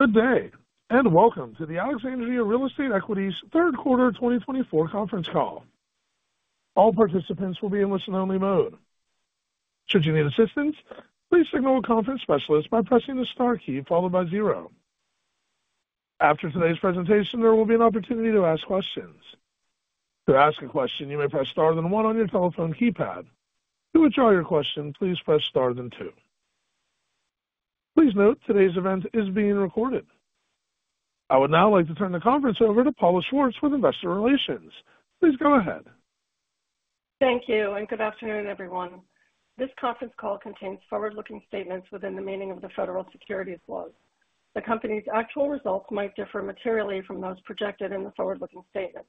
Good day, and welcome to the Alexandria Real Estate Equities third quarter 2024 conference call. All participants will be in listen-only mode. Should you need assistance, please signal a conference specialist by pressing the star key followed by zero. After today's presentation, there will be an opportunity to ask questions. To ask a question, you may press star then one on your telephone keypad. To withdraw your question, please press star then two. Please note today's event is being recorded. I would now like to turn the conference over to Paula Schwartz with Investor Relations. Please go ahead. Thank you, and good afternoon, everyone. This conference call contains forward-looking statements within the meaning of the federal securities laws. The company's actual results might differ materially from those projected in the forward-looking statements.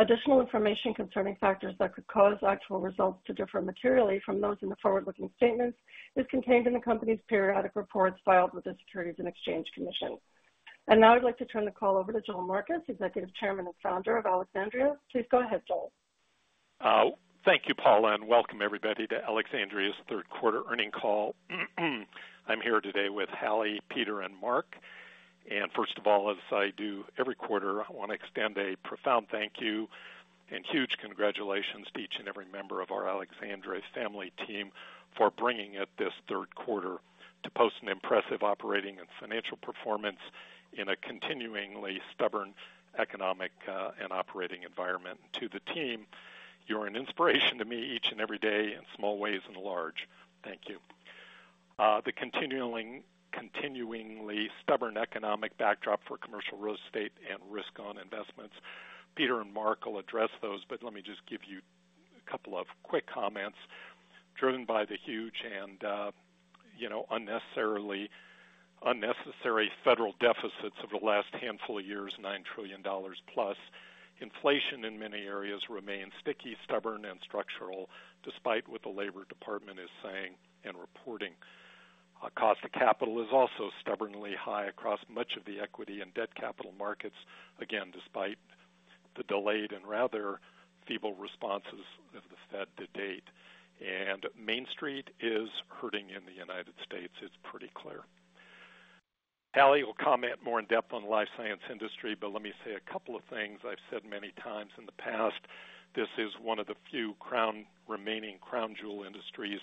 Additional information concerning factors that could cause actual results to differ materially from those in the forward-looking statements is contained in the company's periodic reports filed with the Securities and Exchange Commission. And now I'd like to turn the call over to Joel Marcus, Executive Chairman and Founder of Alexandria. Please go ahead, Joel. Thank you, Paula, and welcome everybody to Alexandria's third quarter earnings call. I'm here today with Hallie, Peter, and Mark. First of all, as I do every quarter, I want to extend a profound thank you and huge congratulations to each and every member of our Alexandria's family team for bringing it this third quarter to post an impressive operating and financial performance in a continuing stubborn economic and operating environment. To the team, you're an inspiration to me each and every day, in small ways and large. Thank you. The continuing stubborn economic backdrop for commercial real estate and risk-on investments, Peter and Mark will address those, but let me just give you a couple of quick comments. Driven by the huge and, you know, unnecessary federal deficits over the last handful of years, $9 trillion plus, inflation in many areas remains sticky, stubborn, and structural, despite what the Labor Department is saying and reporting. Cost of capital is also stubbornly high across much of the equity and debt capital markets, again, despite the delayed and rather feeble responses of the Fed to date. And Main Street is hurting in the United States. It's pretty clear. Hallie will comment more in-depth on the life science industry, but let me say a couple of things I've said many times in the past. This is one of the few remaining crown jewel industries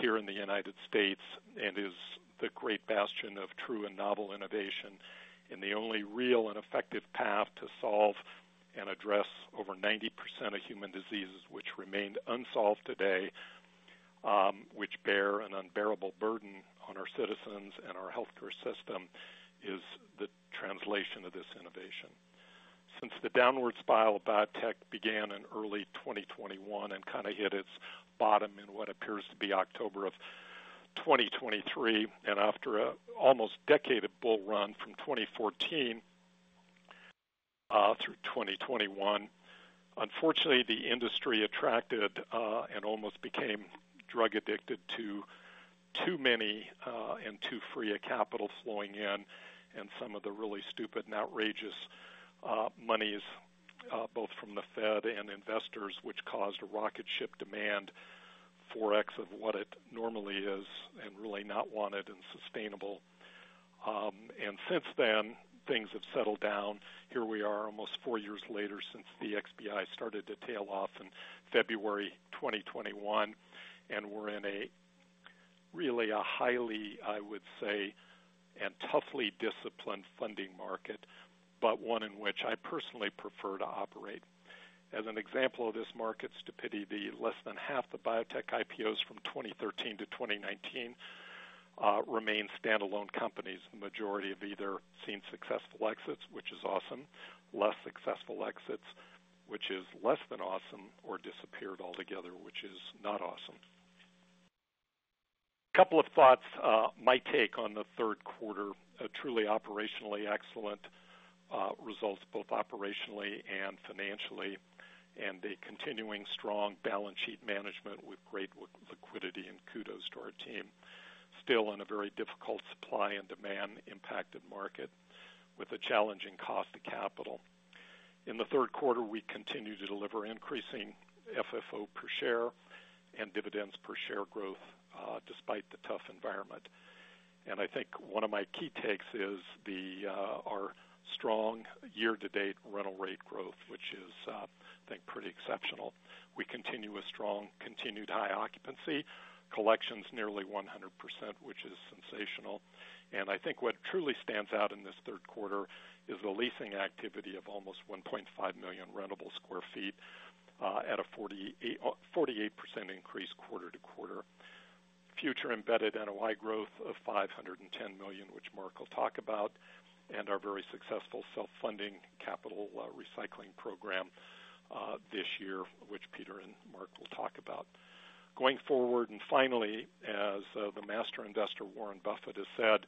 here in the United States and is the great bastion of true and novel innovation, and the only real and effective path to solve and address over 90% of human diseases which remain unsolved today, which bear an unbearable burden on our citizens and our healthcare system, is the translation of this innovation. Since the downward spiral of biotech began in early 2021 and kind of hit its bottom in what appears to be October of 2023, and after an almost decade of bull run from 2014 through 2021, unfortunately, the industry attracted and almost became drug addicted to too many and too free a capital flowing in, and some of the really stupid and outrageous monies both from the Fed and investors, which caused a rocket ship demand, 4X of what it normally is and really not wanted and sustainable. Since then, things have settled down. Here we are, almost four years later, since the XBI started to tail off in February 2021, and we're in a really highly, I would say, and toughly disciplined funding market, but one in which I personally prefer to operate. As an example of this market's stupidity, less than half the biotech IPOs from 2013 to 2019 remain standalone companies. The majority have either seen successful exits, which is awesome, less successful exits, which is less than awesome, or disappeared altogether, which is not awesome. A couple of thoughts, my take on the third quarter, a truly operationally excellent results, both operationally and financially, and a continuing strong balance sheet management with great liquidity and kudos to our team. Still in a very difficult supply and demand impacted market with a challenging cost to capital. In the third quarter, we continued to deliver increasing FFO per share and dividends per share growth, despite the tough environment. I think one of my key takes is our strong year-to-date rental rate growth, which is, I think, pretty exceptional. We continue with strong, continued high occupancy, collections nearly 100%, which is sensational. And I think what truly stands out in this third quarter is the leasing activity of almost 1.5 million rentable sq ft at a 48% increase quarter to quarter. Future embedded NOI growth of $510 million, which Mark will talk about, and our very successful self-funding capital recycling program this year, which Peter and Mark will talk about. Going forward, and finally, as the master investor, Warren Buffett, has said,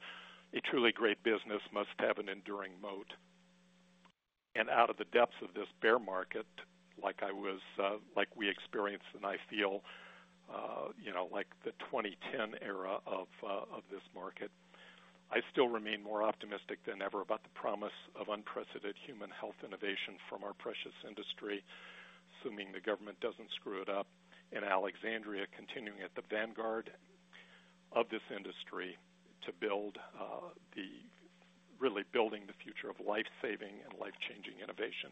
"A truly great business must have an enduring moat." And out of the depths of this bear market, like I was, like we experienced and I feel, you know, like the 2010 era of this market, I still remain more optimistic than ever about the promise of unprecedented human health innovation from our precious industry... assuming the government doesn't screw it up, and Alexandria continuing at the vanguard of this industry to build the really building the future of life-saving and life-changing innovation.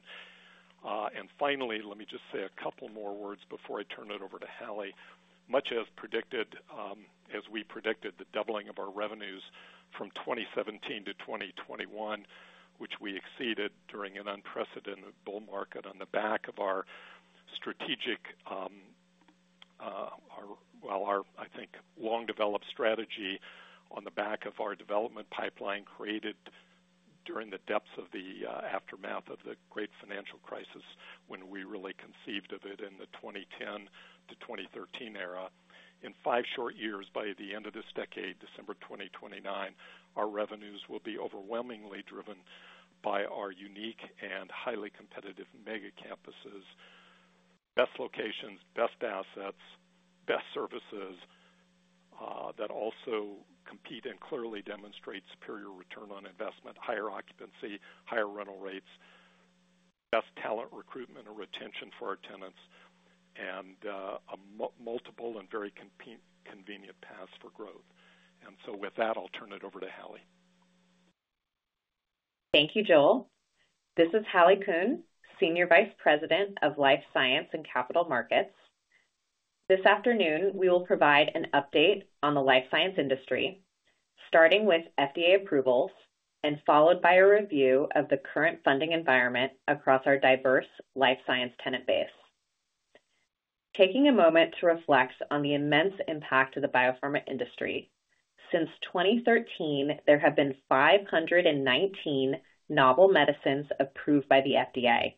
And finally, let me just say a couple more words before I turn it over to Hallie. Much as predicted, as we predicted, the doubling of our revenues from 2017 to 2021, which we exceeded during an unprecedented bull market on the back of our strategic, I think, long-developed strategy on the back of our development pipeline, created during the depths of the aftermath of the great financial crisis, when we really conceived of it in the 2010-2013 era. In five short years, by the end of this decade, December 2029, our revenues will be overwhelmingly driven by our unique and highly competitive mega campuses. Best locations, best assets, best services, that also compete and clearly demonstrate superior return on investment, higher occupancy, higher rental rates, best talent recruitment and retention for our tenants, and a multiple and very competitive, convenient paths for growth. And so with that, I'll turn it over to Hallie. Thank you, Joel. This is Hallie Kuhn, Senior Vice President of Life Science and Capital Markets. This afternoon, we will provide an update on the life science industry, starting with FDA approvals and followed by a review of the current funding environment across our diverse life science tenant base. Taking a moment to reflect on the immense impact of the biopharma industry, since 2013, there have been 519 novel medicines approved by the FDA.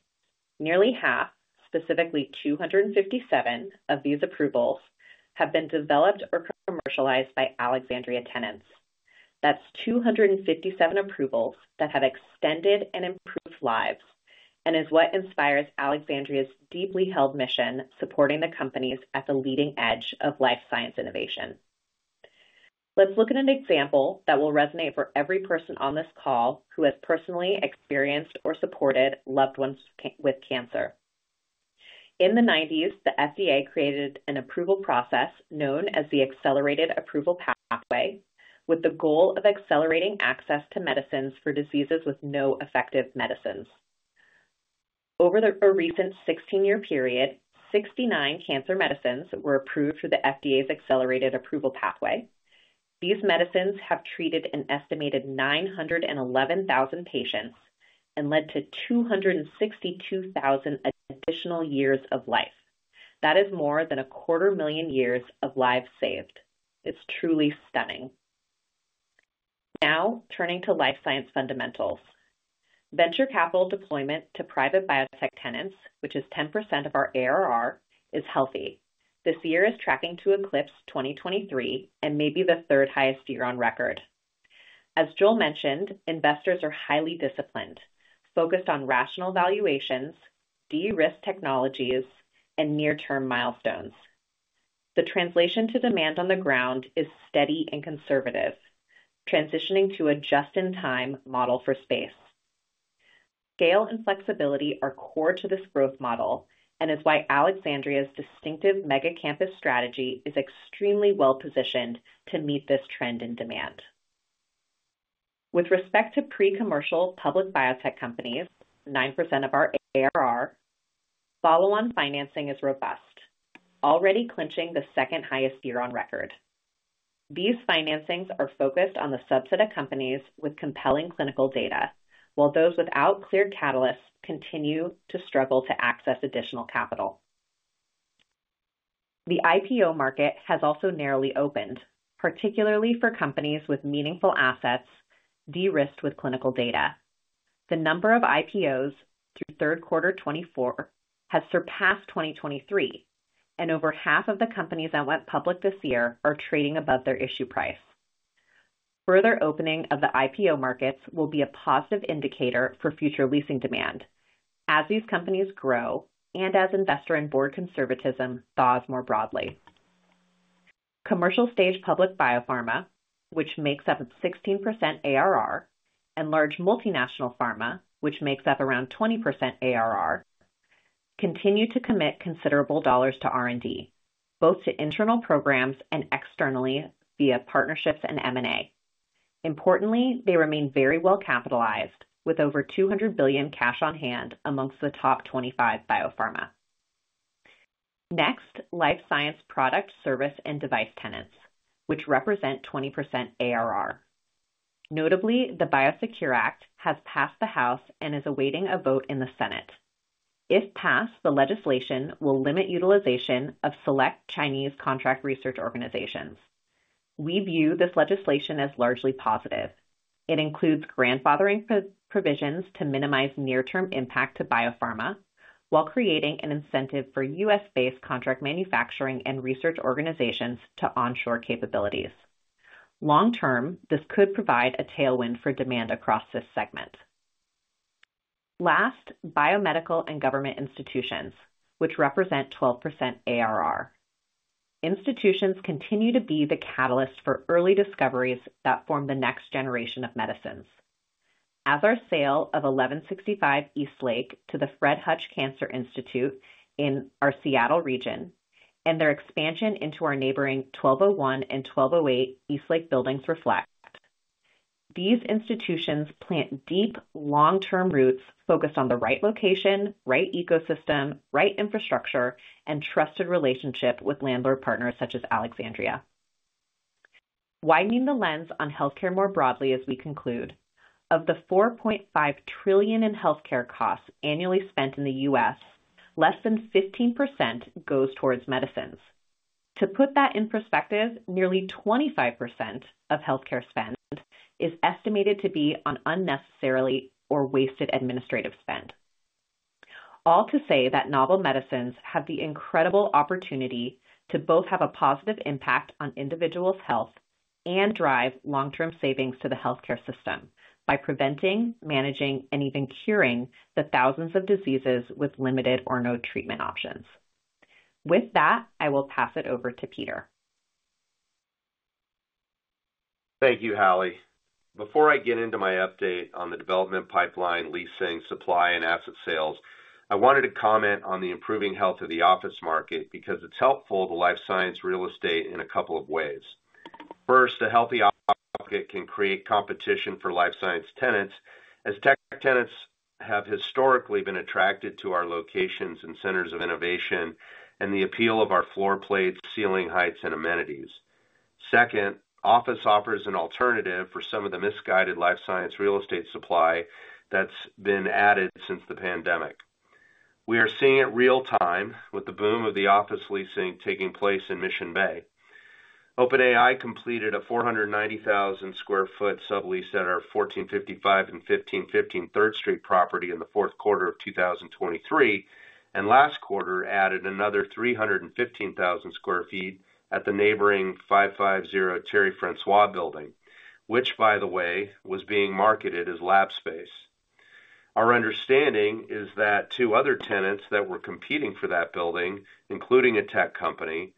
Nearly half, specifically 257 of these approvals, have been developed or commercialized by Alexandria tenants. That's 257 approvals that have extended and improved lives and is what inspires Alexandria's deeply held mission, supporting the companies at the leading edge of life science innovation. Let's look at an example that will resonate for every person on this call who has personally experienced or supported loved ones with cancer. In the nineties, the FDA created an approval process known as the Accelerated Approval Pathway, with the goal of accelerating access to medicines for diseases with no effective medicines. Over the recent sixteen-year period, 69 cancer medicines were approved through the FDA's Accelerated Approval Pathway. These medicines have treated an estimated 911,000 patients and led to 262,000 additional years of life. That is more than 250,000 years of lives saved. It's truly stunning. Now, turning to life science fundamentals. Venture capital deployment to private biotech tenants, which is 10% of our ARR, is healthy. This year is tracking to eclipse 2023 and may be the third highest year on record. As Joel mentioned, investors are highly disciplined, focused on rational valuations, de-risk technologies, and near-term milestones. The translation to demand on the ground is steady and conservative, transitioning to a just-in-time model for space. Scale and flexibility are core to this growth model and is why Alexandria's distinctive mega campus strategy is extremely well positioned to meet this trend in demand. With respect to pre-commercial public biotech companies, 9% of our ARR, follow-on financing is robust, already clinching the second highest year on record. These financings are focused on the subset of companies with compelling clinical data, while those without clear catalysts continue to struggle to access additional capital. The IPO market has also narrowly opened, particularly for companies with meaningful assets, de-risked with clinical data. The number of IPOs through third quarter 2024 has surpassed 2023, and over half of the companies that went public this year are trading above their issue price. Further opening of the IPO markets will be a positive indicator for future leasing demand as these companies grow and as investor and board conservatism thaws more broadly. Commercial stage public biopharma, which makes up 16% ARR, and large multinational pharma, which makes up around 20% ARR, continue to commit considerable dollars to R&D, both to internal programs and externally via partnerships and M&A. Importantly, they remain very well capitalized, with over $200 billion cash on hand amongst the top 25 biopharma. Next, life science product service and device tenants, which represent 20% ARR. Notably, the BioSecure Act has passed the House and is awaiting a vote in the Senate. If passed, the legislation will limit utilization of select Chinese contract research organizations. We view this legislation as largely positive. It includes grandfathering provisions to minimize near-term impact to biopharma, while creating an incentive for U.S.-based contract manufacturing and research organizations to onshore capabilities. Long-term, this could provide a tailwind for demand across this segment. Last, biomedical and government institutions, which represent 12% ARR. Institutions continue to be the catalyst for early discoveries that form the next generation of medicines. As our sale of 1165 Eastlake Avenue East to the Fred Hutchinson Cancer Center in our Seattle region, and their expansion into our neighboring 1201 and 1208 Eastlake Avenue East buildings reflect. These institutions plant deep, long-term roots focused on the right location, right ecosystem, right infrastructure, and trusted relationship with landlord partners such as Alexandria. Widening the lens on healthcare more broadly as we conclude, of the $4.5 trillion in healthcare costs annually spent in the U.S., less than 15% goes towards medicines. To put that in perspective, nearly 25% of healthcare spend is estimated to be on unnecessarily or wasted administrative spend. All to say that novel medicines have the incredible opportunity to both have a positive impact on individuals' health and drive long-term savings to the healthcare system by preventing, managing, and even curing the thousands of diseases with limited or no treatment options. With that, I will pass it over to Peter. Thank you, Hallie. Before I get into my update on the development pipeline, leasing, supply, and asset sales, I wanted to comment on the improving health of the office market because it's helpful to life science real estate in a couple of ways. First, a healthy office can create competition for life science tenants, as tech tenants have historically been attracted to our locations and centers of innovation and the appeal of our floor plates, ceiling heights, and amenities. Second, office offers an alternative for some of the misguided life science real estate supply that's been added since the pandemic. We are seeing it real-time with the boom of the office leasing taking place in Mission Bay. OpenAI completed a 490,000 sq ft sublease at our 1455 and 1515 Third Street property in the fourth quarter of 2023, and last quarter added another 315,000 sq ft at the neighboring 550 Terry Francois building, which, by the way, was being marketed as lab space. Our understanding is that two other tenants that were competing for that building, including a tech company,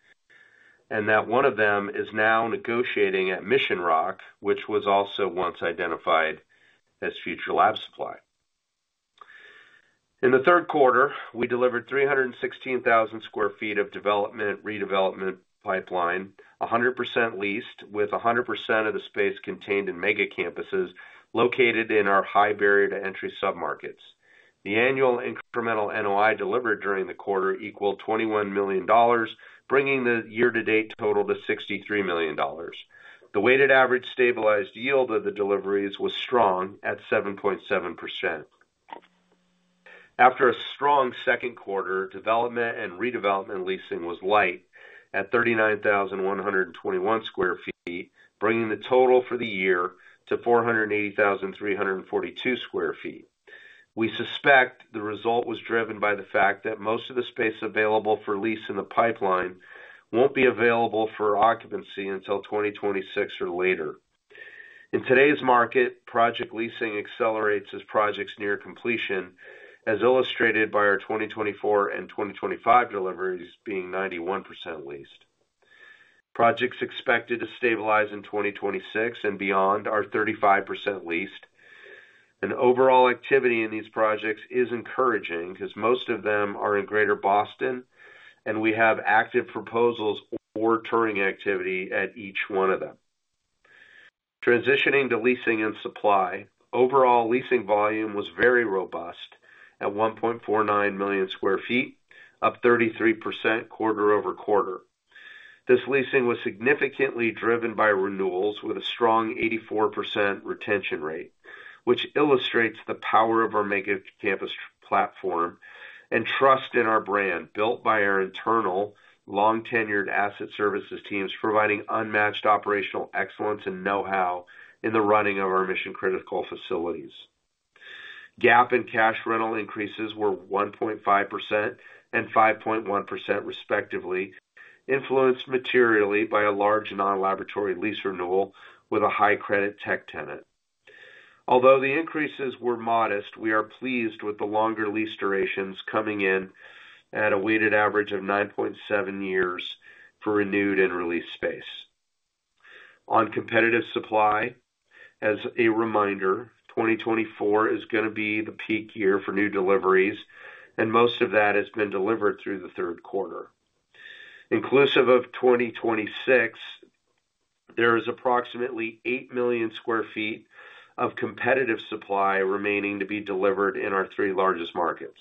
and that one of them is now negotiating at Mission Rock, which was also once identified as future lab supply. In the third quarter, we delivered 316,000 sq ft of development, redevelopment pipeline, 100% leased, with 100% of the space contained in mega campuses located in our high barrier to entry submarkets. The annual incremental NOI delivered during the quarter equaled $21 million, bringing the year-to-date total to $63 million. The weighted average stabilized yield of the deliveries was strong at 7.7%. After a strong second quarter, development and redevelopment leasing was light at 39,121 sq ft, bringing the total for the year to 480,342 sq ft. We suspect the result was driven by the fact that most of the space available for lease in the pipeline won't be available for occupancy until 2026 or later. In today's market, project leasing accelerates as projects near completion, as illustrated by our 2024 and 2025 deliveries being 91% leased. Projects expected to stabilize in 2026 and beyond are 35% leased, and overall activity in these projects is encouraging because most of them are in Greater Boston, and we have active proposals for touring activity at each one of them. Transitioning to leasing and supply, overall leasing volume was very robust at 1.49 million sq ft, up 33% quarter over quarter. This leasing was significantly driven by renewals with a strong 84% retention rate, which illustrates the power of our mega campus platform and trust in our brand, built by our internal, long-tenured asset services teams, providing unmatched operational excellence and know-how in the running of our mission-critical facilities. GAAP and cash rental increases were 1.5% and 5.1%, respectively, influenced materially by a large non-laboratory lease renewal with a high credit tech tenant. Although the increases were modest, we are pleased with the longer lease durations coming in at a weighted average of 9.7 years for renewed and released space. On competitive supply, as a reminder, 2024 is going to be the peak year for new deliveries, and most of that has been delivered through the third quarter. Inclusive of 2026, there is approximately 8 million sq ft of competitive supply remaining to be delivered in our three largest markets.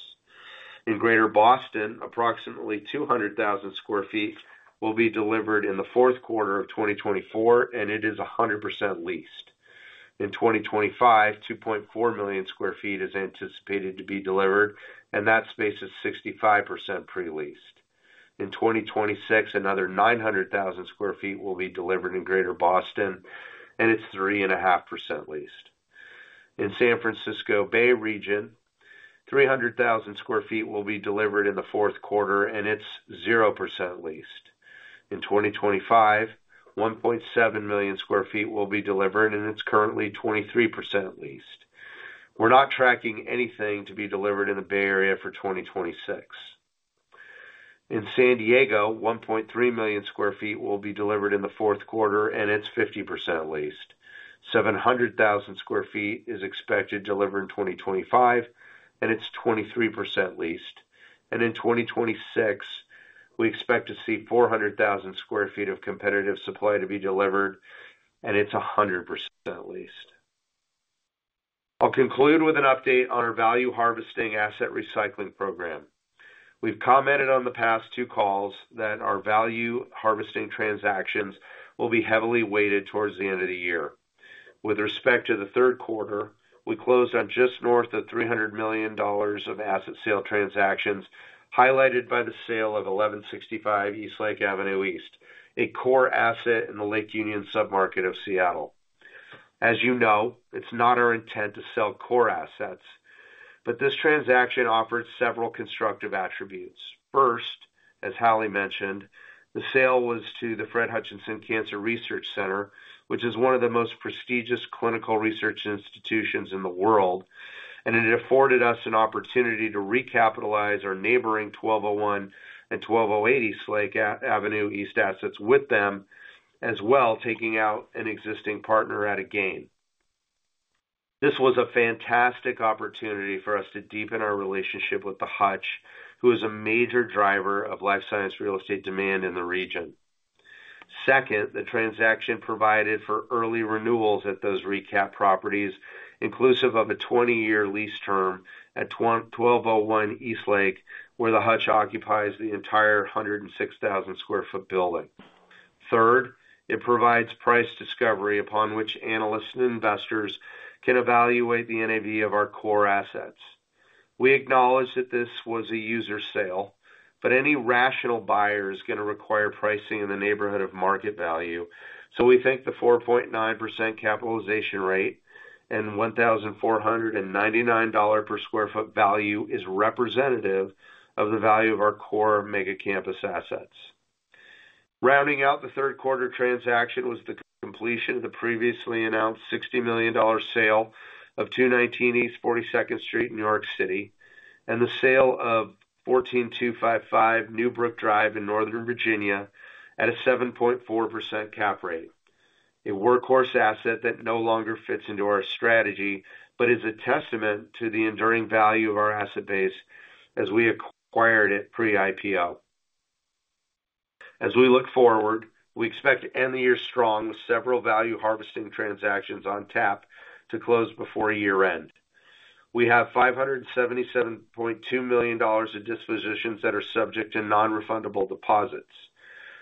In Greater Boston, approximately 200,000 sq ft will be delivered in the fourth quarter of 2024, and it is 100% leased. In 2025, 2.4 million sq ft is anticipated to be delivered, and that space is 65% pre-leased. In twenty twenty-six, another 900,000 sq ft will be delivered in Greater Boston, and it's 3.5% leased. In San Francisco Bay region, 300,000 sq ft will be delivered in the fourth quarter, and it's 0% leased. In twenty twenty-five, 1.7 million sq ft will be delivered, and it's currently 23% leased. We're not tracking anything to be delivered in the Bay Area for twenty twenty-six. In San Diego, 1.3 million sq ft will be delivered in the fourth quarter, and it's 50% leased. 700,000 sq ft is expected to deliver in twenty twenty-five, and it's 23% leased. In twenty twenty-six, we expect to see 400,000 sq ft of competitive supply to be delivered, and it's 100% leased. I'll conclude with an update on our value harvesting asset recycling program. We've commented on the past two calls that our value harvesting transactions will be heavily weighted towards the end of the year. With respect to the third quarter, we closed on just north of $300 million of asset sale transactions, highlighted by the sale of 1165 Eastlake Avenue East, a core asset in the Lake Union submarket of Seattle. As you know, it's not our intent to sell core assets, but this transaction offered several constructive attributes. First, as Hallie mentioned, the sale was to the Fred Hutchinson Cancer Center, which is one of the most prestigious clinical research institutions in the world, and it afforded us an opportunity to recapitalize our neighboring 1201 and 1208 Eastlake Avenue East assets with them, as well, taking out an existing partner at a gain. This was a fantastic opportunity for us to deepen our relationship with the Hutch, who is a major driver of life science real estate demand in the region. Second, the transaction provided for early renewals at those recap properties, inclusive of a twenty-year lease term at 1201 Eastlake, where the Hutch occupies the entire 106,000 sq ft building. Third, it provides price discovery, upon which analysts and investors can evaluate the NAV of our core assets. We acknowledge that this was a user sale, but any rational buyer is gonna require pricing in the neighborhood of market value. So we think the 4.9% capitalization rate and $1,499 per sq ft value is representative of the value of our core mega campus assets. Rounding out the third quarter transaction was the completion of the previously announced $60 million sale of 219 East 42nd Street, New York City, and the sale of 14255 Newbrook Drive in Northern Virginia at a 7.4% cap rate, a workhorse asset that no longer fits into our strategy, but is a testament to the enduring value of our asset base as we acquired it pre-IPO. As we look forward, we expect to end the year strong, with several value harvesting transactions on tap to close before year-end. We have $577.2 million in dispositions that are subject to non-refundable deposits.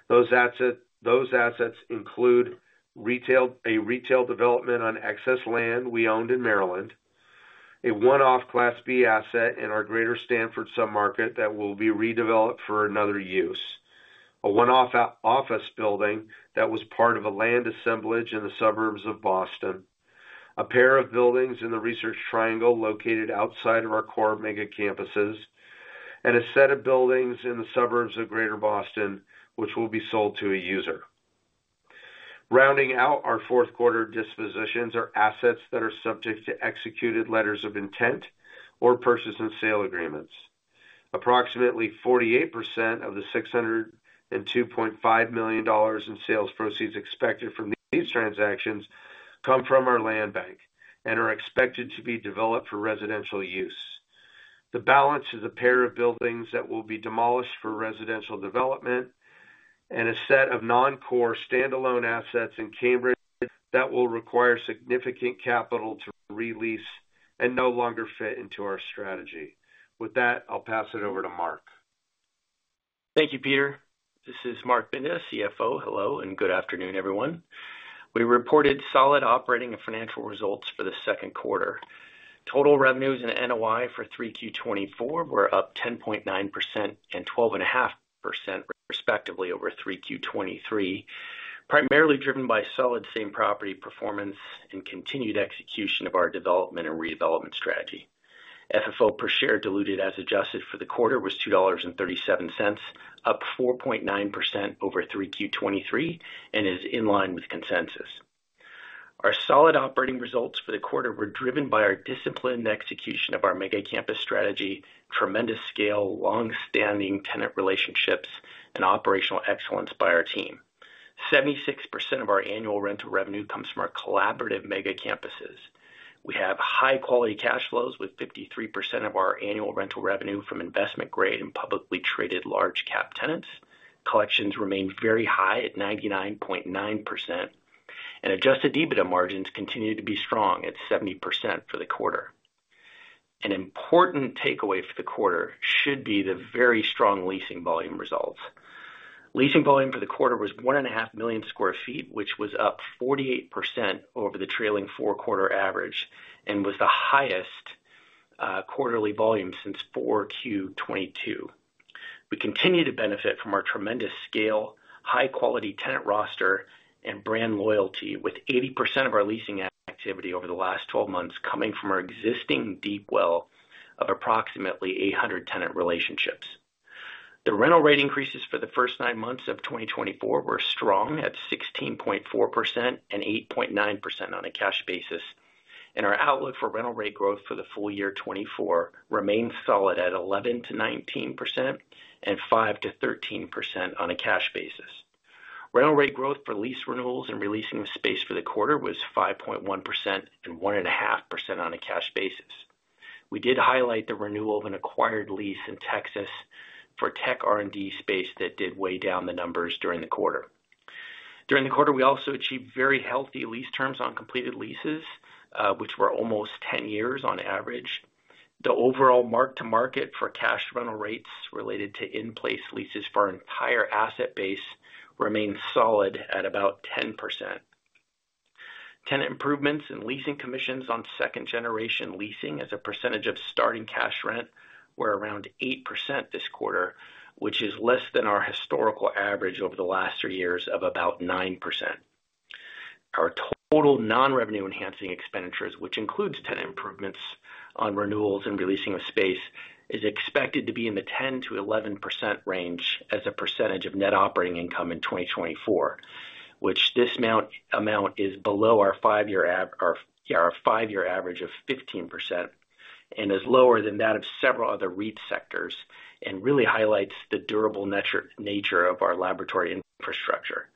Those assets include a retail development on excess land we owned in Maryland, a one-off Class B asset in our greater Stanford submarket that will be redeveloped for another use, a one-off office building that was part of a land assemblage in the suburbs of Boston, a pair of buildings in the Research Triangle located outside of our core mega campuses, and a set of buildings in the suburbs of Greater Boston, which will be sold to a user. Rounding out our fourth quarter dispositions are assets that are subject to executed letters of intent or purchase and sale agreements. Approximately 48% of the $602.5 million in sales proceeds expected from these transactions come from our land bank and are expected to be developed for residential use. The balance is a pair of buildings that will be demolished for residential development and a set of non-core standalone assets in Cambridge that will require significant capital to re-lease and no longer fit into our strategy. With that, I'll pass it over to Mark. Thank you, Peter. This is Mark Binda, CFO. Hello, and good afternoon, everyone. We reported solid operating and financial results for the second quarter. Total revenues in NOI for 3Q 2024 were up 10.9% and 12.5%, respectively, over 3Q 2023, primarily driven by solid same property performance and continued execution of our development and redevelopment strategy. FFO per share, diluted as adjusted for the quarter, was $2.37, up 4.9% over 3Q 2023, and is in line with consensus. Our solid operating results for the quarter were driven by our disciplined execution of our mega campus strategy, tremendous scale, long-standing tenant relationships, and operational excellence by our team. 76% of our annual rental revenue comes from our collaborative mega campuses. We have high-quality cash flows, with 53% of our annual rental revenue from investment-grade and publicly traded large cap tenants. Collections remained very high at 99.9%, and adjusted EBITDA margins continued to be strong at 70% for the quarter. An important takeaway for the quarter should be the very strong leasing volume results. Leasing volume for the quarter was 1.5 million sq ft, which was up 48% over the trailing four-quarter average and was the highest quarterly volume since 4Q22. We continue to benefit from our tremendous scale, high-quality tenant roster, and brand loyalty, with 80% of our leasing activity over the last twelve months coming from our existing deep well of approximately 800 tenant relationships. The rental rate increases for the first nine months of 2024 were strong at 16.4% and 8.9% on a cash basis, and our outlook for rental rate growth for the full year 2024 remains solid at 11%-19% and 5%-13% on a cash basis. Rental rate growth for lease renewals and releasing the space for the quarter was 5.1% and 1.5% on a cash basis. We did highlight the renewal of an acquired lease in Texas for tech R&D space that did weigh down the numbers during the quarter. During the quarter, we also achieved very healthy lease terms on completed leases, which were almost 10 years on average. The overall mark to market for cash rental rates related to in-place leases for our entire asset base remains solid at about 10%. Tenant improvements in leasing commissions on second-generation leasing as a percentage of starting cash rent were around 8% this quarter, which is less than our historical average over the last three years of about 9%. Our total non-revenue enhancing expenditures, which includes tenant improvements on renewals and releasing of space, is expected to be in the 10%-11% range as a percentage of net operating income in 2024, which this amount is below our five-year average of 15%, and is lower than that of several other REIT sectors, and really highlights the durable nature of our laboratory infrastructure.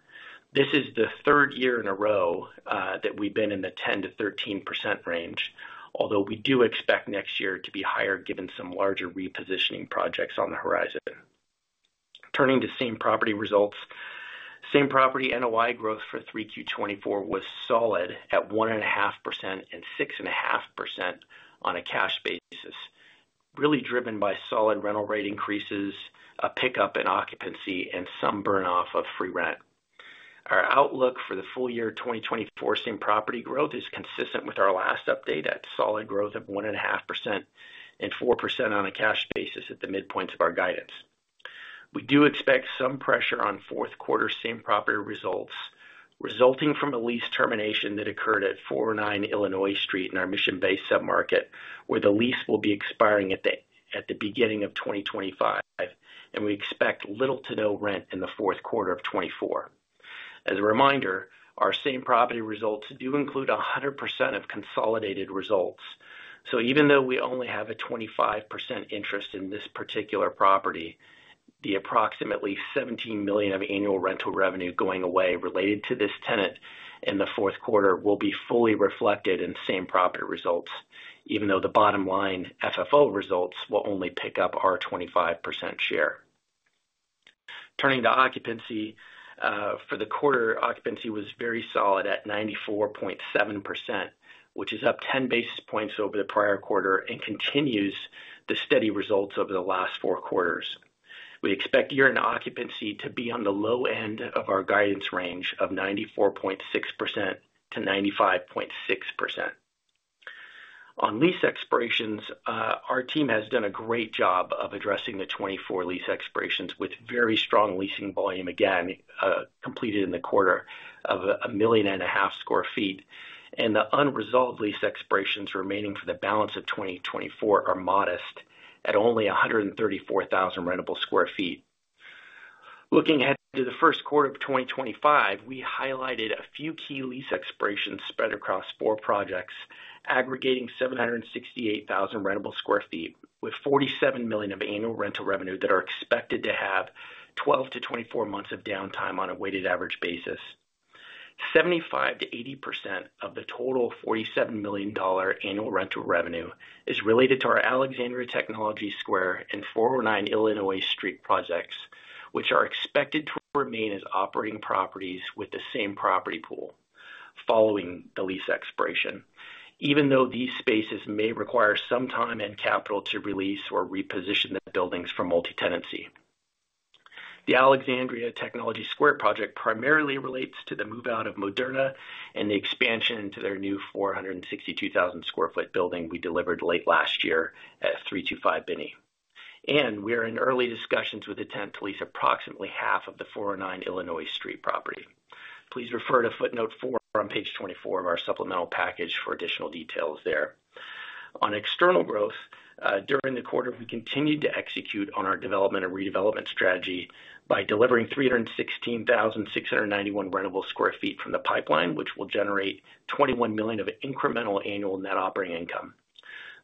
This is the third year in a row that we've been in the 10-13% range, although we do expect next year to be higher, given some larger repositioning projects on the horizon. Turning to same property results. Same property NOI growth for 3Q 2024 was solid at 1.5% and 6.5% on a cash basis, really driven by solid rental rate increases, a pickup in occupancy, and some burn off of free rent. Our outlook for the full year 2024 same property growth is consistent with our last update at solid growth of 1.5% and 4% on a cash basis at the midpoint of our guidance. We do expect some pressure on fourth quarter same property results, resulting from a lease termination that occurred at 409 Illinois Street in our Mission Bay submarket, where the lease will be expiring at the beginning of twenty twenty-five, and we expect little to no rent in the fourth quarter of twenty-four. As a reminder, our same property results do include 100% of consolidated results. So even though we only have a 25% interest in this particular property, the approximately $17 million of annual rental revenue going away related to this tenant in the fourth quarter will be fully reflected in same property results, even though the bottom line FFO results will only pick up our 25% share. Turning to occupancy, for the quarter, occupancy was very solid at 94.7%, which is up 10 basis points over the prior quarter and continues the steady results over the last four quarters. We expect year-end occupancy to be on the low end of our guidance range of 94.6% to 95.6%. On lease expirations, our team has done a great job of addressing the 24 lease expirations with very strong leasing volume, again, completed in the quarter of 1.5 million sq ft, and the unresolved lease expirations remaining for the balance of 2024 are modest at only 134,000 rentable sq ft. Looking ahead to the first quarter of 2025, we highlighted a few key lease expirations spread across four projects, aggregating 768,000 sq ft of rentable square feet, with $47 million of annual rental revenue that are expected to have 12-24 months of downtime on a weighted average basis. 75%-80% of the total $47 million annual rental revenue is related to our Alexandria Technology Square and 409 Illinois Street projects, which are expected to remain as operating properties with the same property pool following the lease expiration. Even though these spaces may require some time and capital to release or reposition the buildings for multi-tenancy. The Alexandria Technology Square project primarily relates to the move-out of Moderna and the expansion to their new 462,000 sq ft building we delivered late last year at 325 Binney Street. We are in early discussions with the tenant to lease approximately half of the 409 Illinois Street property. Please refer to footnote 4 on page 24 of our supplemental package for additional details there. On external growth, during the quarter, we continued to execute on our development and redevelopment strategy by delivering 316,691 rentable sq ft from the pipeline, which will generate $21 million of incremental annual net operating income.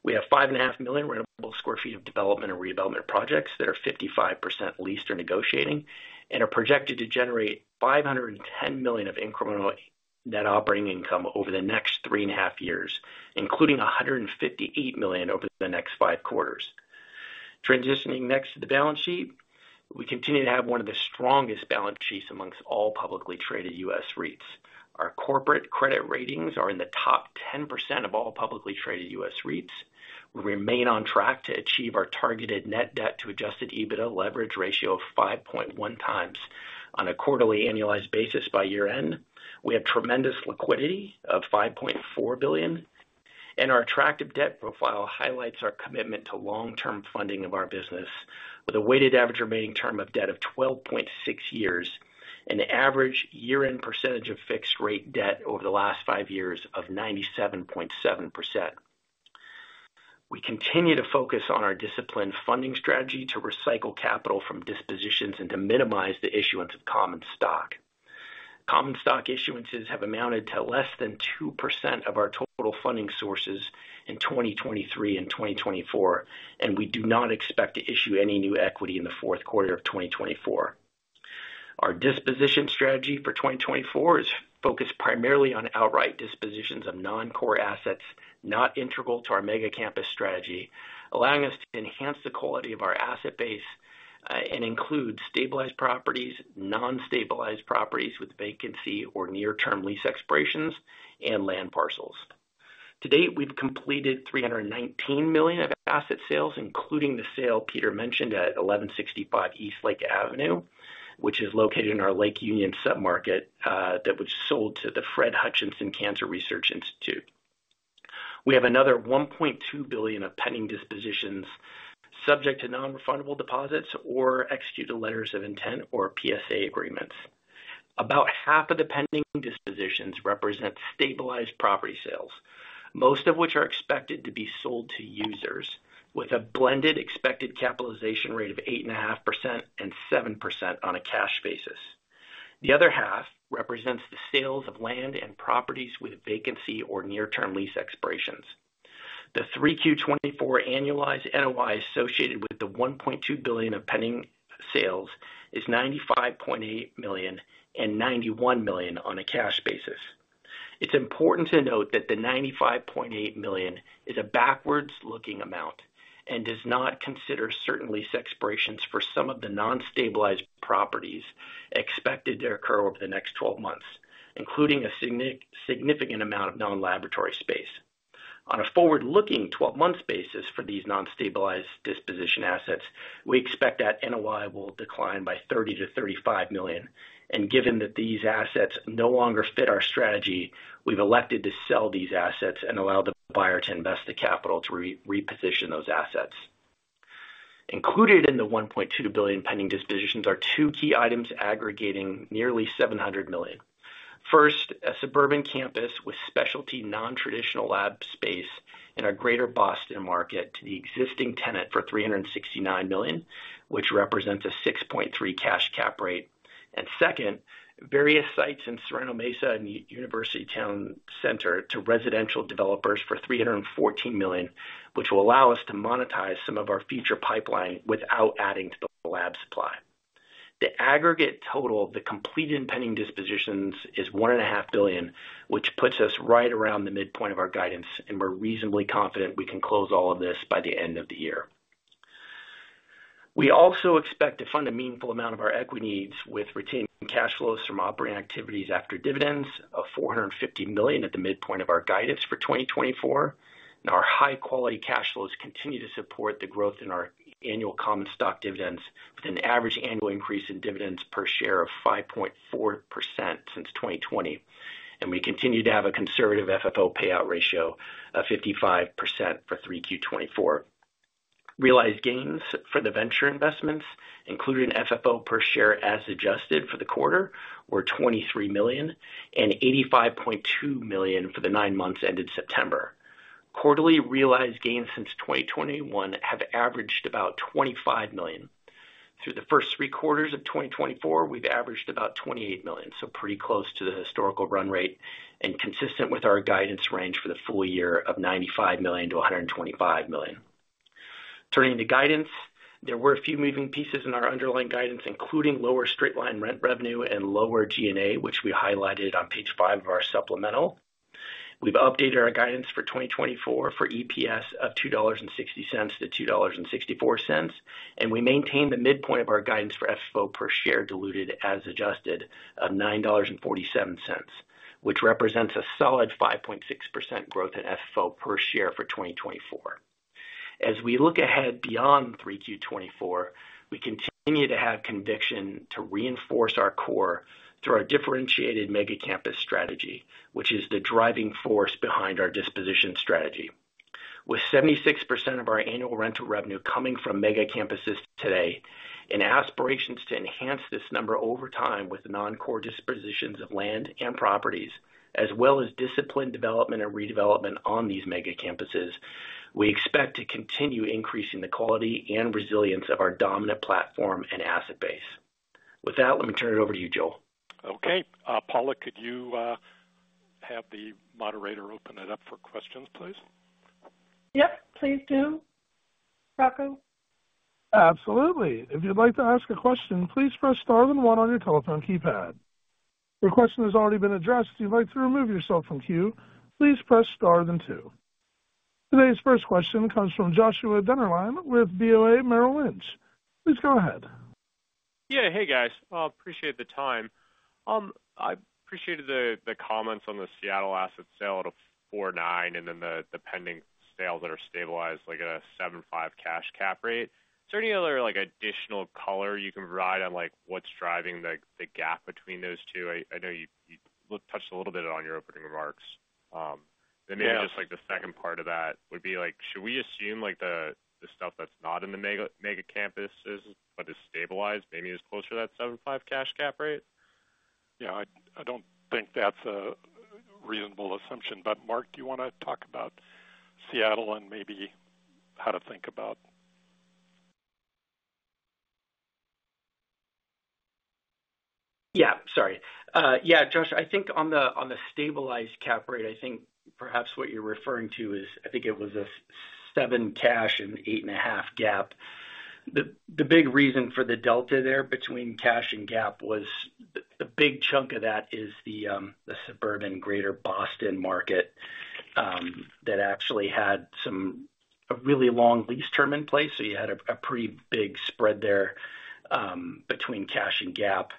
We have 5.5 million rentable sq ft of development and redevelopment projects that are 55% leased or negotiating, and are projected to generate $510 million of incremental net operating income over the next three and a half years, including $158 million over the next five quarters. Transitioning next to the balance sheet, we continue to have one of the strongest balance sheets among all publicly traded U.S. REITs. Our corporate credit ratings are in the top 10% of all publicly traded U.S. REITs. We remain on track to achieve our targeted net debt to Adjusted EBITDA leverage ratio of 5.1 times on a quarterly annualized basis by year-end. We have tremendous liquidity of $5.4 billion, and our attractive debt profile highlights our commitment to long-term funding of our business with a weighted average remaining term of debt of 12.6 years, and an average year-end percentage of fixed-rate debt over the last five years of 97.7%.... We continue to focus on our disciplined funding strategy to recycle capital from dispositions and to minimize the issuance of common stock. Common stock issuances have amounted to less than 2% of our total funding sources in 2023 and 2024, and we do not expect to issue any new equity in the fourth quarter of 2024. Our disposition strategy for 2024 is focused primarily on outright dispositions of non-core assets, not integral to our mega campus strategy, allowing us to enhance the quality of our asset base, and include stabilized properties, non-stabilized properties with vacancy or near-term lease expirations, and land parcels. To date, we've completed $319 million of asset sales, including the sale Peter mentioned at 1165 Eastlake Avenue East, which is located in our Lake Union submarket, that was sold to the Fred Hutchinson Cancer Center. We have another $1.2 billion of pending dispositions, subject to non-refundable deposits or executed letters of intent or PSA agreements. About half of the pending dispositions represent stabilized property sales, most of which are expected to be sold to users, with a blended expected capitalization rate of 8.5% and 7% on a cash basis. The other half represents the sales of land and properties with vacancy or near-term lease expirations. The 3Q 2024 annualized NOI associated with the $1.2 billion of pending sales is $95.8 million and $91 million on a cash basis. It's important to note that the $95.8 million is a backwards-looking amount and does not consider certain lease expirations for some of the non-stabilized properties expected to occur over the next twelve months, including a significant amount of non-laboratory space. On a forward-looking twelve-month basis for these non-stabilized disposition assets, we expect that NOI will decline by $30-$35 million. Given that these assets no longer fit our strategy, we've elected to sell these assets and allow the buyer to invest the capital to reposition those assets. Included in the $1.2 billion pending dispositions are two key items aggregating nearly $700 million. First, a suburban campus with specialty non-traditional lab space in our Greater Boston market to the existing tenant for $369 million, which represents a 6.3% cash cap rate. Second, various sites in Sorrento Mesa and University Town Center to residential developers for $314 million, which will allow us to monetize some of our future pipeline without adding to the lab supply. The aggregate total of the completed and pending dispositions is $1.5 billion, which puts us right around the midpoint of our guidance, and we're reasonably confident we can close all of this by the end of the year. We also expect to fund a meaningful amount of our equity needs with retaining cash flows from operating activities after dividends of $450 million at the midpoint of our guidance for 2024, and our high-quality cash flows continue to support the growth in our annual common stock dividends, with an average annual increase in dividends per share of 5.4% since 2020, and we continue to have a conservative FFO payout ratio of 55% for 3Q 2024. Realized gains for the venture investments, including FFO per share as adjusted for the quarter, were $23 million and $85.2 million for the nine months ended September. Quarterly realized gains since 2021 have averaged about $25 million. Through the first three quarters of 2024, we've averaged about $28 million, so pretty close to the historical run rate and consistent with our guidance range for the full year of $95 million-$125 million. Turning to guidance, there were a few moving pieces in our underlying guidance, including lower straight-line rent revenue and lower G&A, which we highlighted on page five of our supplemental. We've updated our guidance for 2024 for EPS of $2.60 to $2.64, and we maintain the midpoint of our guidance for FFO per share, diluted as adjusted, of $9.47, which represents a solid 5.6% growth in FFO per share for 2024. As we look ahead beyond 3Q 2024, we continue to have conviction to reinforce our core through our differentiated mega campus strategy, which is the driving force behind our disposition strategy. With 76% of our annual rental revenue coming from mega campuses today and aspirations to enhance this number over time with non-core dispositions of land and properties, as well as disciplined development and redevelopment on these mega campuses, we expect to continue increasing the quality and resilience of our dominant platform and asset base. With that, let me turn it over to you, Joel. Okay, Paula, could you have the moderator open it up for questions, please? Yep, please do. Rocco? Absolutely. If you'd like to ask a question, please press star then one on your telephone keypad. If your question has already been addressed, if you'd like to remove yourself from queue, please press star then two. Today's first question comes from Joshua Dennerlein with BOA Merrill Lynch. Please go ahead. Yeah. Hey, guys. Appreciate the time. I appreciated the comments on the Seattle asset sale at a 4.9, and then the pending sales that are stabilized, like at a 7.5 cash cap rate. Is there any other, like, additional color you can provide on, like, what's driving the gap between those two? I know you touched a little bit on your opening remarks. And maybe just the second part of that would be like: Should we assume, like, the stuff that's not in the mega campuses, but is stabilized, maybe is closer to that 7.5 cash cap rate? Yeah, I don't think that's a reasonable assumption, but Mark, do you wanna talk about Seattle and maybe how to think about? Yeah, sorry. Yeah, Josh, I think on the stabilized cap rate, I think perhaps what you're referring to is, I think it was a seven cash and eight and a half GAAP. The big reason for the delta there between cash and GAAP was the big chunk of that is the suburban Greater Boston market that actually had a really long lease term in place. So you had a pretty big spread there between cash and GAAP.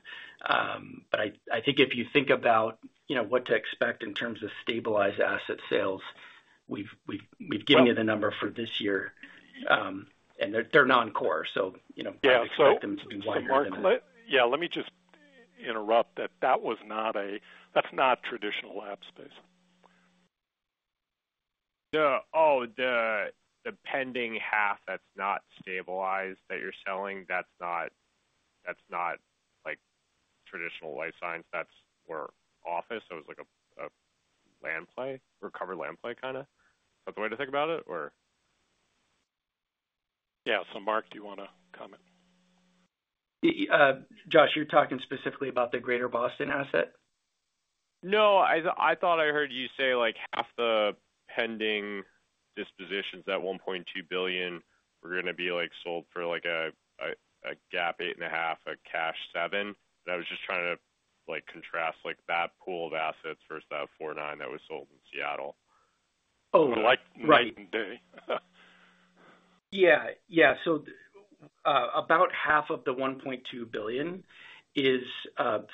But I think if you think about, you know, what to expect in terms of stabilized asset sales, we've given you the number for this year, and they're non-core, so, you know- Yeah, so- Expect them to be wider than that. So, Mark, yeah, let me just interrupt that. That was not a—that's not traditional lab space. The pending half that's not stabilized, that you're selling, that's not like traditional life science. That's more office, so it was like a land play, recovery land play, kind of? Is that the way to think about it, or? Yeah. So Mark, do you wanna comment? Josh, you're talking specifically about the Greater Boston asset? No, I thought I heard you say, like, half the pending dispositions, that $1.2 billion were gonna be, like, sold for, like, a GAAP 8.5, a cash 7. And I was just trying to, like, contrast, like, that pool of assets versus that 49 that was sold in Seattle. Oh, right. Like night and day. Yeah. Yeah. So, about half of the $1.2 billion is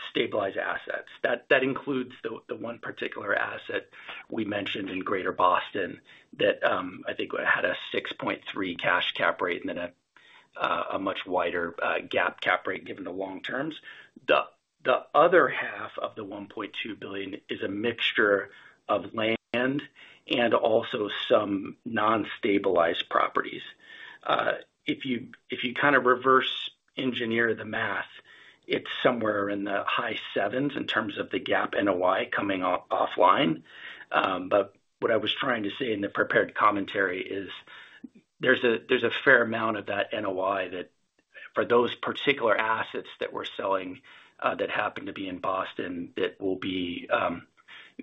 stabilized assets. That includes the one particular asset we mentioned in Greater Boston that I think had a 6.3 cash cap rate and then a much wider GAAP cap rate, given the long terms. The other half of the $1.2 billion is a mixture of land and also some non-stabilized properties. If you kind of reverse engineer the math, it's somewhere in the high sevens in terms of the GAAP NOI coming offline. But what I was trying to say in the prepared commentary is there's a fair amount of that NOI for those particular assets that we're selling that happen to be in Boston that will be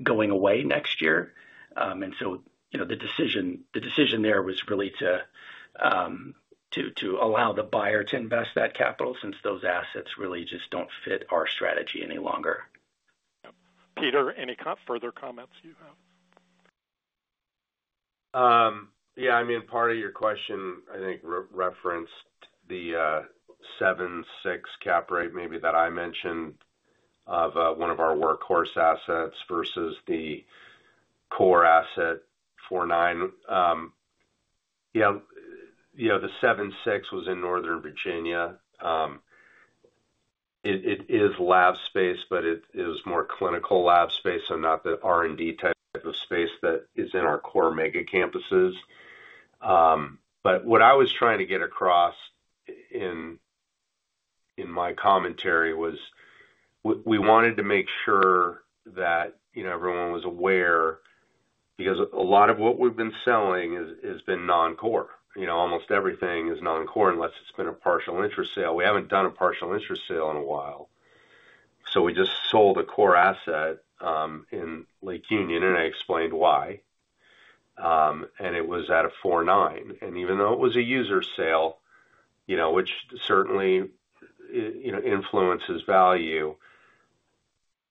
going away next year. And so, you know, the decision there was really to allow the buyer to invest that capital, since those assets really just don't fit our strategy any longer. Yep. Peter, any further comments you have? Yeah, I mean, part of your question, I think, referenced the 7.6% cap rate, maybe that I mentioned of one of our workhorse assets versus the core asset 4.9%. Yeah, you know, the 7.6% was in Northern Virginia. It is lab space, but it is more clinical lab space and not the R&D type of space that is in our core mega campuses. But what I was trying to get across in my commentary was we wanted to make sure that, you know, everyone was aware, because a lot of what we've been selling is, has been non-core. You know, almost everything is non-core, unless it's been a partial interest sale. We haven't done a partial interest sale in a while. So we just sold a core asset in Lake Union, and I explained why. And it was at a 4.9, and even though it was a user sale, you know, which certainly, you know, influences value,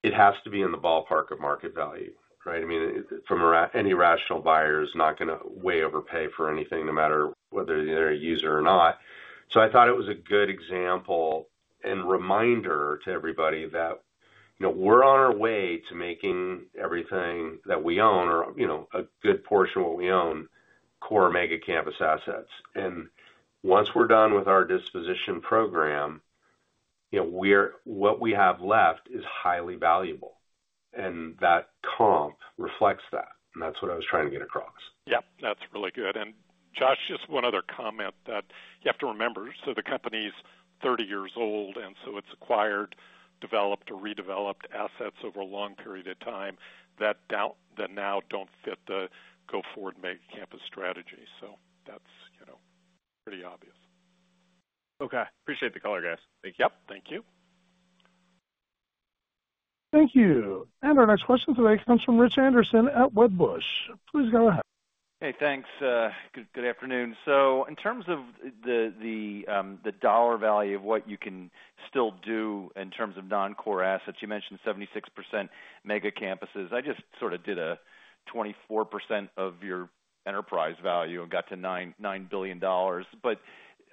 it has to be in the ballpark of market value, right? I mean, from any rational buyer is not gonna way overpay for anything, no matter whether they're a user or not. So I thought it was a good example and reminder to everybody that, you know, we're on our way to making everything that we own or, you know, a good portion of what we own, core mega campus assets. And once we're done with our disposition program, you know, we're what we have left is highly valuable, and that comp reflects that, and that's what I was trying to get across. Yep, that's really good. And Josh, just one other comment that you have to remember, so the company's thirty years old, and so it's acquired, developed or redeveloped assets over a long period of time, that now don't fit the go-forward mega campus strategy. So that's, you know, pretty obvious. Okay. Appreciate the color, guys. Thank you. Yep, thank you. Thank you. And our next question today comes from Rich Anderson at Wedbush. Please go ahead. Hey, thanks. Good afternoon. So in terms of the dollar value of what you can still do in terms of non-core assets, you mentioned 76% mega campuses. I just sort of did a 24% of your enterprise value and got to $9 billion. But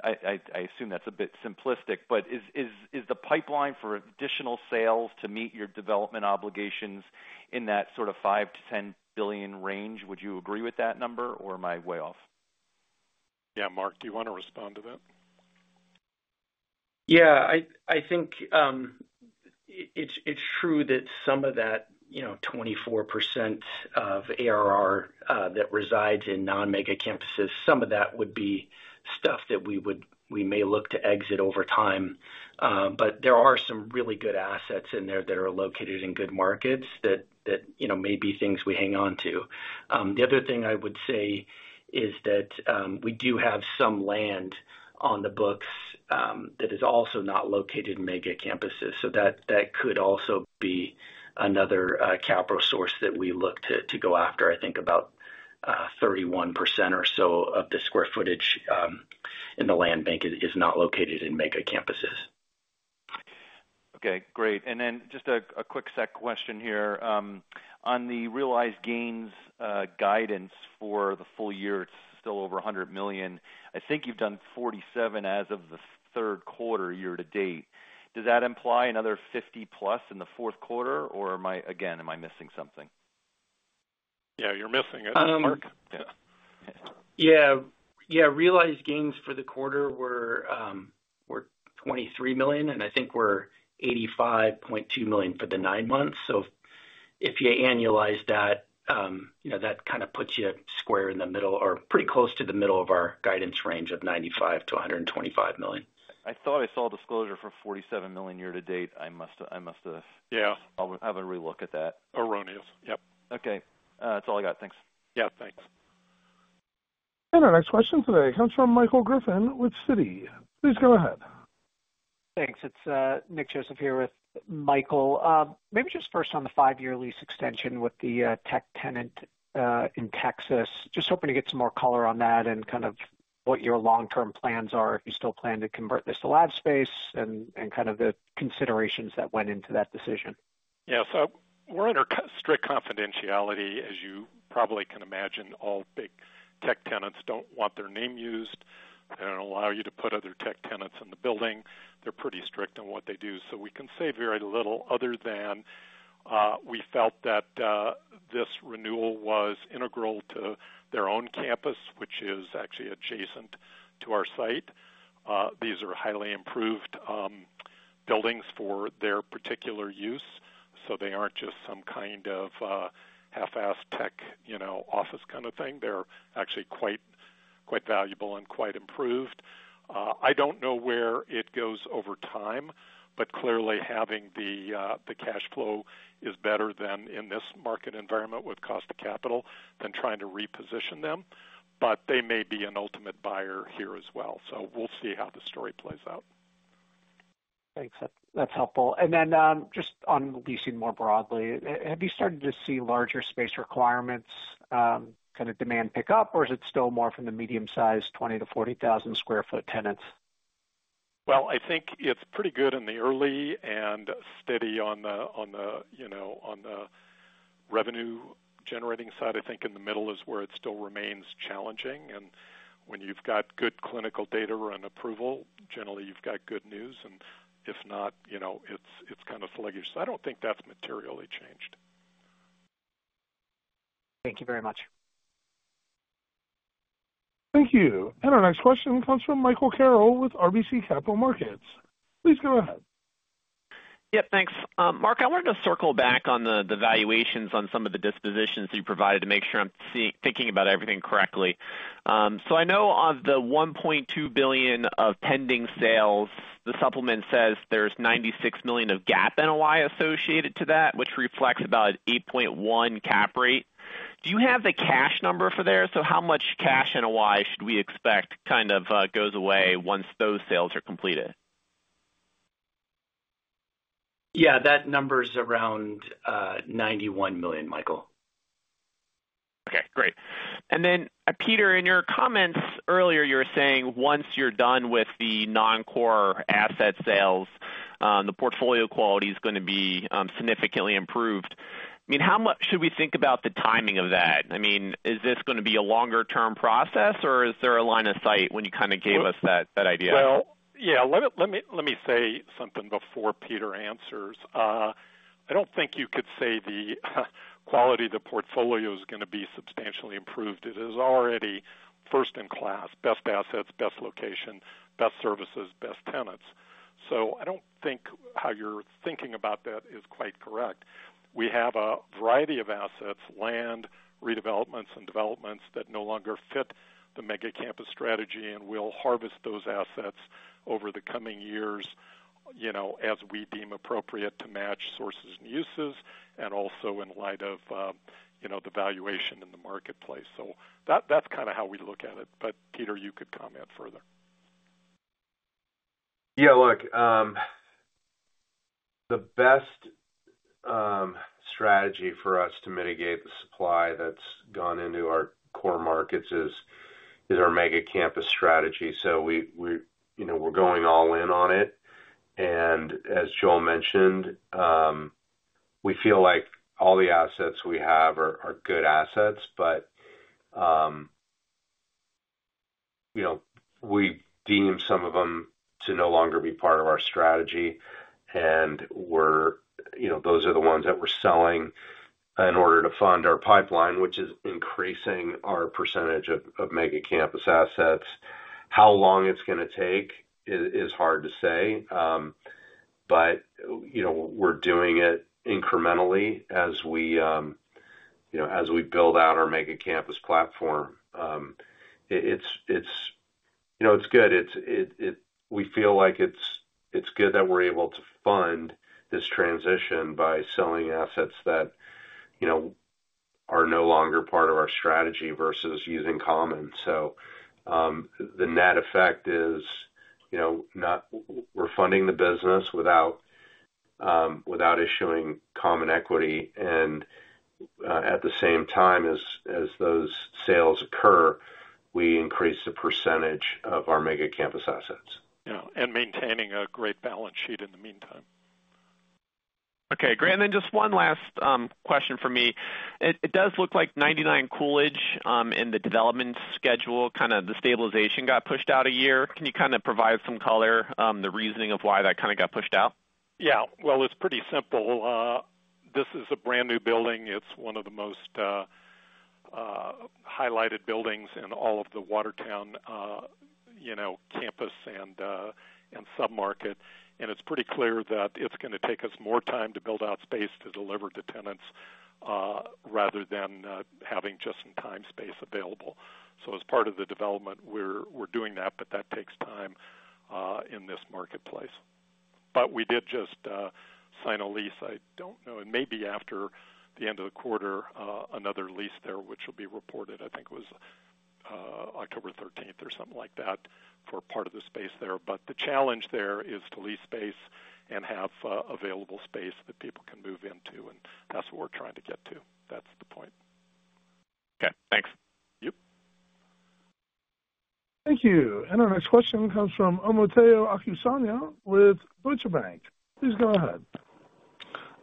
I assume that's a bit simplistic, but is the pipeline for additional sales to meet your development obligations in that sort of $5-$10 billion range? Would you agree with that number, or am I way off? Yeah, Mark, do you wanna respond to that? Yeah, I think it's true that some of that, you know, 24% of ARR that resides in non-mega campuses, some of that would be stuff that we may look to exit over time. But there are some really good assets in there that are located in good markets that, you know, may be things we hang on to. The other thing I would say is that we do have some land on the books that is also not located in mega campuses, so that could also be another capital source that we look to go after. I think about 31% or so of the square footage in the land bank is not located in mega campuses. Okay, great. And then just a quick sec question here. On the realized gains guidance for the full year, it's still over $100 million. I think you've done 47 as of the third quarter year to date. Does that imply another 50 plus in the fourth quarter, or am I, again, am I missing something? Yeah, you're missing it, Mark. Yeah. Yeah. Yeah, realized gains for the quarter were $23 million, and I think we're $85.2 million for the nine months. So if you annualize that, you know, that kind of puts you square in the middle or pretty close to the middle of our guidance range of $95 million-$125 million. I thought I saw a disclosure for $47 million year to date. I must have, I must have. Yeah. I'll have a relook at that. Erroneous. Yep. Okay. That's all I got. Thanks. Yeah, thanks. And our next question today comes from Michael Griffin with Citi. Please go ahead. Thanks. It's Nick Joseph here with Michael. Maybe just first on the five-year lease extension with the tech tenant in Texas. Just hoping to get some more color on that and kind of what your long-term plans are, if you still plan to convert this to lab space and kind of the considerations that went into that decision. Yeah, so we're under strict confidentiality, as you probably can imagine. All big tech tenants don't want their name used. They don't allow you to put other tech tenants in the building. They're pretty strict on what they do. So we can say very little other than we felt that this renewal was integral to their own campus, which is actually adjacent to our site. These are highly improved buildings for their particular use, so they aren't just some kind of half-assed tech, you know, office kind of thing. They're actually quite, quite valuable and quite improved. I don't know where it goes over time, but clearly having the cash flow is better than in this market environment with cost of capital than trying to reposition them. But they may be an ultimate buyer here as well, so we'll see how the story plays out. Thanks. That's helpful. And then, just on leasing more broadly, have you started to see larger space requirements, kind of demand pick up, or is it still more from the medium-sized 20-40,000 sq ft tenants? I think it's pretty good in the early and steady on the, you know, on the revenue generating side. I think in the middle is where it still remains challenging, and when you've got good clinical data or an approval, generally you've got good news, and if not, you know, it's kind of sluggish. I don't think that's materially changed. Thank you very much. Thank you. And our next question comes from Michael Carroll with RBC Capital Markets. Please go ahead. Yep, thanks. Mark, I wanted to circle back on the, the valuations on some of the dispositions you provided to make sure I'm thinking about everything correctly. So I know on the $1.2 billion of pending sales, the supplement says there's $96 million of GAAP NOI associated to that, which reflects about an 8.1% cap rate. Do you have the cash number for there? So how much cash NOI should we expect, kind of, goes away once those sales are completed? Yeah, that number's around $91 million, Michael. Okay, great. And then, Peter, in your comments earlier, you were saying once you're done with the non-core asset sales, the portfolio quality is gonna be significantly improved. I mean, how much should we think about the timing of that? I mean, is this gonna be a longer-term process, or is there a line of sight when you kind of gave us that idea? Yeah. Let me say something before Peter answers. I don't think you could say the quality of the portfolio is gonna be substantially improved. It is already first in class, best assets, best location, best services, best tenants. So I don't think how you're thinking about that is quite correct. We have a variety of assets, land, redevelopments and developments that no longer fit the mega campus strategy, and we'll harvest those assets over the coming years, you know, as we deem appropriate to match sources and uses, and also in light of, you know, the valuation in the marketplace. So that's kind of how we look at it. But Peter, you could comment further. Yeah, look, the best strategy for us to mitigate the supply that's gone into our core markets is our mega campus strategy. So, you know, we're going all in on it. And as Joel mentioned, we feel like all the assets we have are good assets, but, you know, we deem some of them to no longer be part of our strategy, and, you know, those are the ones that we're selling.... in order to fund our pipeline, which is increasing our percentage of mega campus assets. How long it's gonna take is hard to say, but, you know, we're doing it incrementally as we, you know, as we build out our mega campus platform. It's, you know, it's good. It's good that we're able to fund this transition by selling assets that, you know, are no longer part of our strategy versus using common. So, the net effect is, you know, we're funding the business without issuing common equity. And, at the same time, as those sales occur, we increase the percentage of our mega campus assets. Yeah, and maintaining a great balance sheet in the meantime. Okay, great. And then just one last question for me. It does look like 99 Coolidge in the development schedule. Kind of the stabilization got pushed out a year. Can you kind of provide some color, the reasoning of why that kind of got pushed out? Yeah. Well, it's pretty simple. This is a brand-new building. It's one of the most highlighted buildings in all of the Watertown, you know, campus and submarket. And it's pretty clear that it's gonna take us more time to build out space to deliver to tenants, rather than having just some time and space available. So as part of the development, we're doing that, but that takes time in this marketplace. But we did just sign a lease. I don't know, it may be after the end of the quarter, another lease there, which will be reported, I think it was October thirteenth or something like that, for part of the space there. But the challenge there is to lease space and have available space that people can move into, and that's what we're trying to get to. That's the point. Okay, thanks. Yep. Thank you. And our next question comes from Omotayo Okusanya with Deutsche Bank. Please go ahead.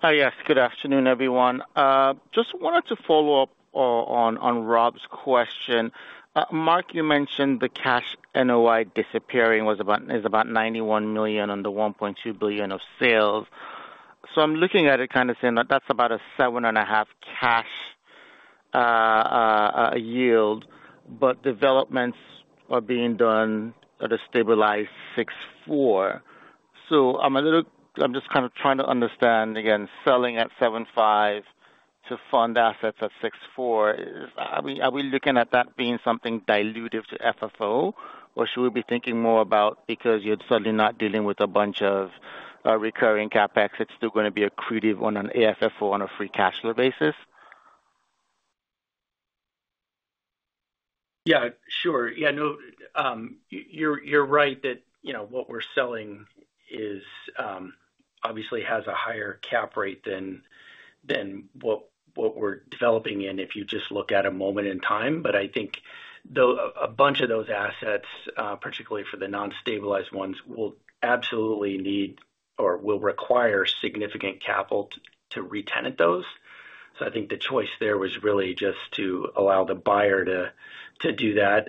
Yes, good afternoon, everyone. Just wanted to follow up on Rob's question. Mark, you mentioned the cash NOI disappearing was about, is about $91 million on the $1.2 billion of sales. So I'm looking at it kind of saying that's about a 7.5% cash yield, but developments are being done at a stabilized 6.4%. So I'm a little. I'm just kind of trying to understand, again, selling at 7.5% to fund assets at 6.4%. Are we looking at that being something dilutive to FFO? Or should we be thinking more about because you're suddenly not dealing with a bunch of recurring CapEx, it's still gonna be accretive on an AFFO on a free cash flow basis? Yeah, sure. Yeah, no, you're right that, you know, what we're selling is obviously has a higher cap rate than what we're developing in, if you just look at a moment in time. But I think though, a bunch of those assets, particularly for the non-stabilized ones, will absolutely need or will require significant capital to retenant those. So I think the choice there was really just to allow the buyer to do that,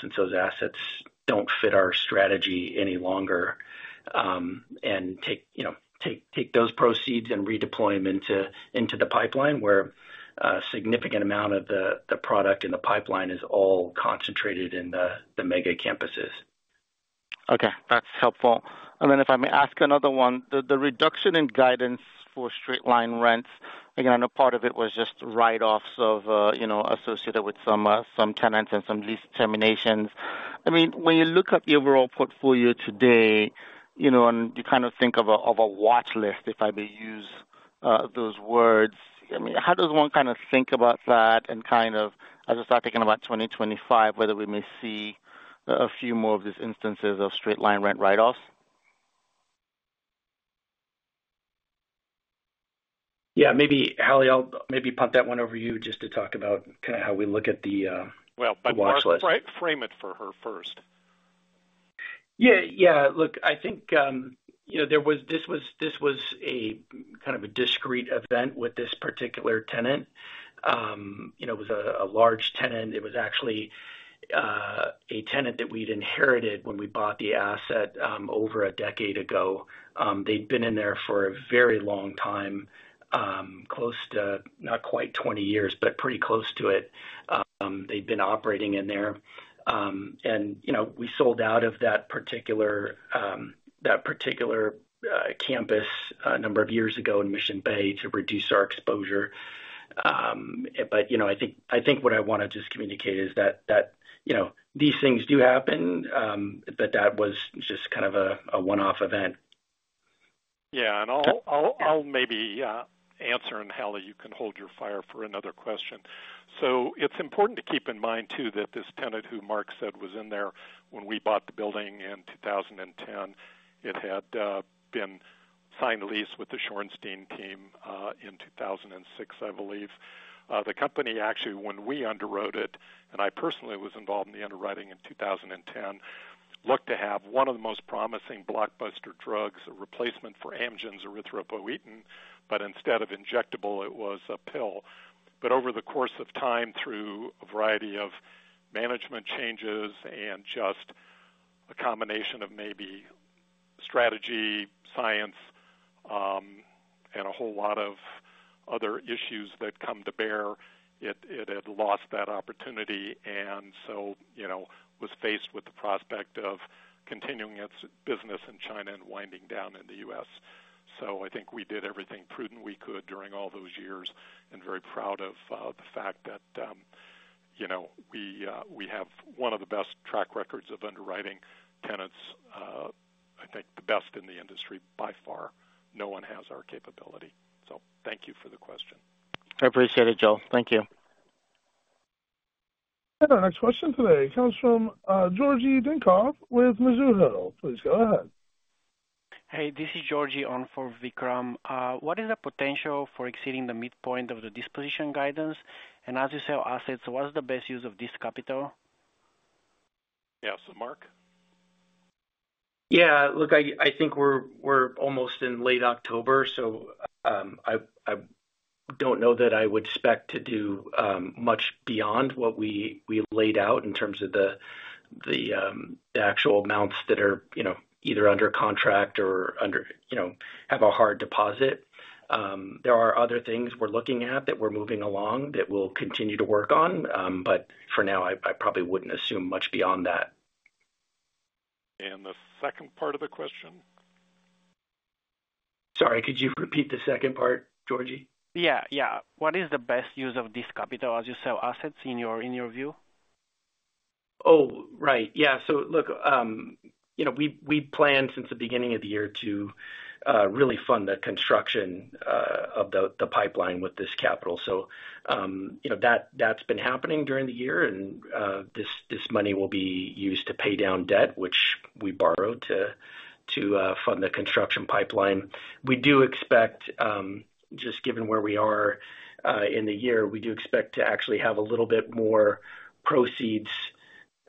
since those assets don't fit our strategy any longer, and take, you know, take those proceeds and redeploy them into the pipeline, where a significant amount of the product in the pipeline is all concentrated in the mega campuses. Okay, that's helpful. And then if I may ask another one. The reduction in guidance for straight line rents, again, I know part of it was just write-offs of, you know, associated with some tenants and some lease terminations. I mean, when you look at the overall portfolio today, you know, and you kind of think of a watchlist, if I may use those words, I mean, how does one kind of think about that and kind of, as I start thinking about twenty twenty-five, whether we may see a few more of these instances of straight line rent write-offs? Yeah, maybe, Hallie, I'll maybe pump that one over to you just to talk about kind of how we look at the watchlist. Well, but Mark, frame it for her first. Yeah. Yeah, look, I think, you know, there was this, a kind of a discrete event with this particular tenant. You know, it was a large tenant. It was actually a tenant that we'd inherited when we bought the asset over a decade ago. They'd been in there for a very long time, close to not quite twenty years, but pretty close to it. They'd been operating in there. And, you know, we sold out of that particular campus a number of years ago in Mission Bay to reduce our exposure. But, you know, I think what I want to just communicate is that, you know, these things do happen, but that was just kind of a one-off event. Yeah, and I'll maybe answer, and Hallie, you can hold your fire for another question. So it's important to keep in mind, too, that this tenant, who Mark said was in there when we bought the building in 2010, it had been signed a lease with the Shorenstein team in 2006, I believe. The company, actually, when we underwrote it, and I personally was involved in the underwriting in 2010, looked to have one of the most promising blockbuster drugs, a replacement for Amgen's erythropoietin, but instead of injectable, it was a pill. But over the course of time, through a variety of management changes and just-... A combination of maybe strategy, science, and a whole lot of other issues that come to bear. It had lost that opportunity, and so, you know, was faced with the prospect of continuing its business in China and winding down in the US. So I think we did everything prudent we could during all those years, and very proud of the fact that, you know, we have one of the best track records of underwriting tenants. I think the best in the industry by far. No one has our capability. So thank you for the question. I appreciate it, Joel. Thank you. Our next question today comes from Georgie Dincov with Mizuho. Please go ahead. Hey, this is Georgie on for Vikram. What is the potential for exceeding the midpoint of the disposition guidance? And as you sell assets, what is the best use of this capital? Yeah. So, Mark? Yeah, look, I think we're almost in late October, so, I don't know that I would expect to do much beyond what we laid out in terms of the actual amounts that are, you know, either under contract or under, you know, have a hard deposit. There are other things we're looking at that we're moving along that we'll continue to work on, but for now, I probably wouldn't assume much beyond that. The second part of the question? Sorry, could you repeat the second part, Georgie? Yeah, yeah. What is the best use of this capital as you sell assets in your view? Oh, right. Yeah. So look, you know, we planned since the beginning of the year to really fund the construction of the pipeline with this capital. So, you know, that's been happening during the year, and this money will be used to pay down debt, which we borrowed to fund the construction pipeline. We do expect, just given where we are in the year, we do expect to actually have a little bit more proceeds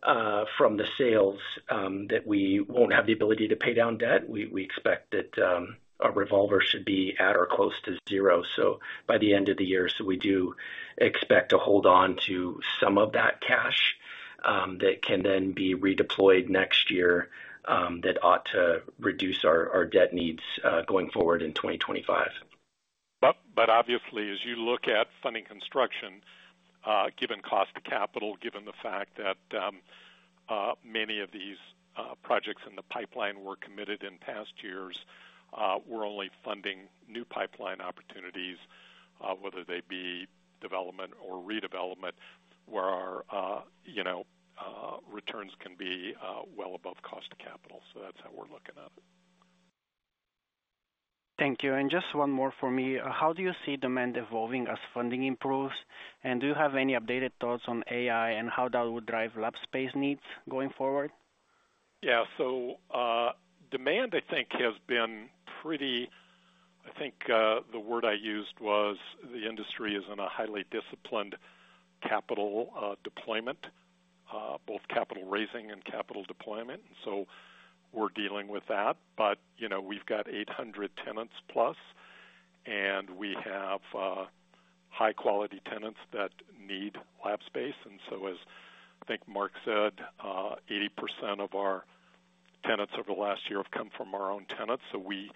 from the sales that we won't have the ability to pay down debt. We expect that our revolver should be at or close to zero, so by the end of the year. So we do expect to hold on to some of that cash that can then be redeployed next year that ought to reduce our debt needs going forward in 2025. But obviously, as you look at funding construction, given cost of capital, given the fact that many of these projects in the pipeline were committed in past years, we're only funding new pipeline opportunities, whether they be development or redevelopment, where our, you know, returns can be well above cost of capital, so that's how we're looking at it. Thank you. And just one more for me. How do you see demand evolving as funding improves? And do you have any updated thoughts on AI and how that would drive lab space needs going forward? Yeah. So, demand, I think, has been pretty. I think, the word I used was the industry is in a highly disciplined capital deployment, both capital raising and capital deployment, so we're dealing with that. But, you know, we've got 800 tenants plus, and we have high quality tenants that need lab space. And so as I think Mark said, 80% of our tenants over the last year have come from our own tenants. So we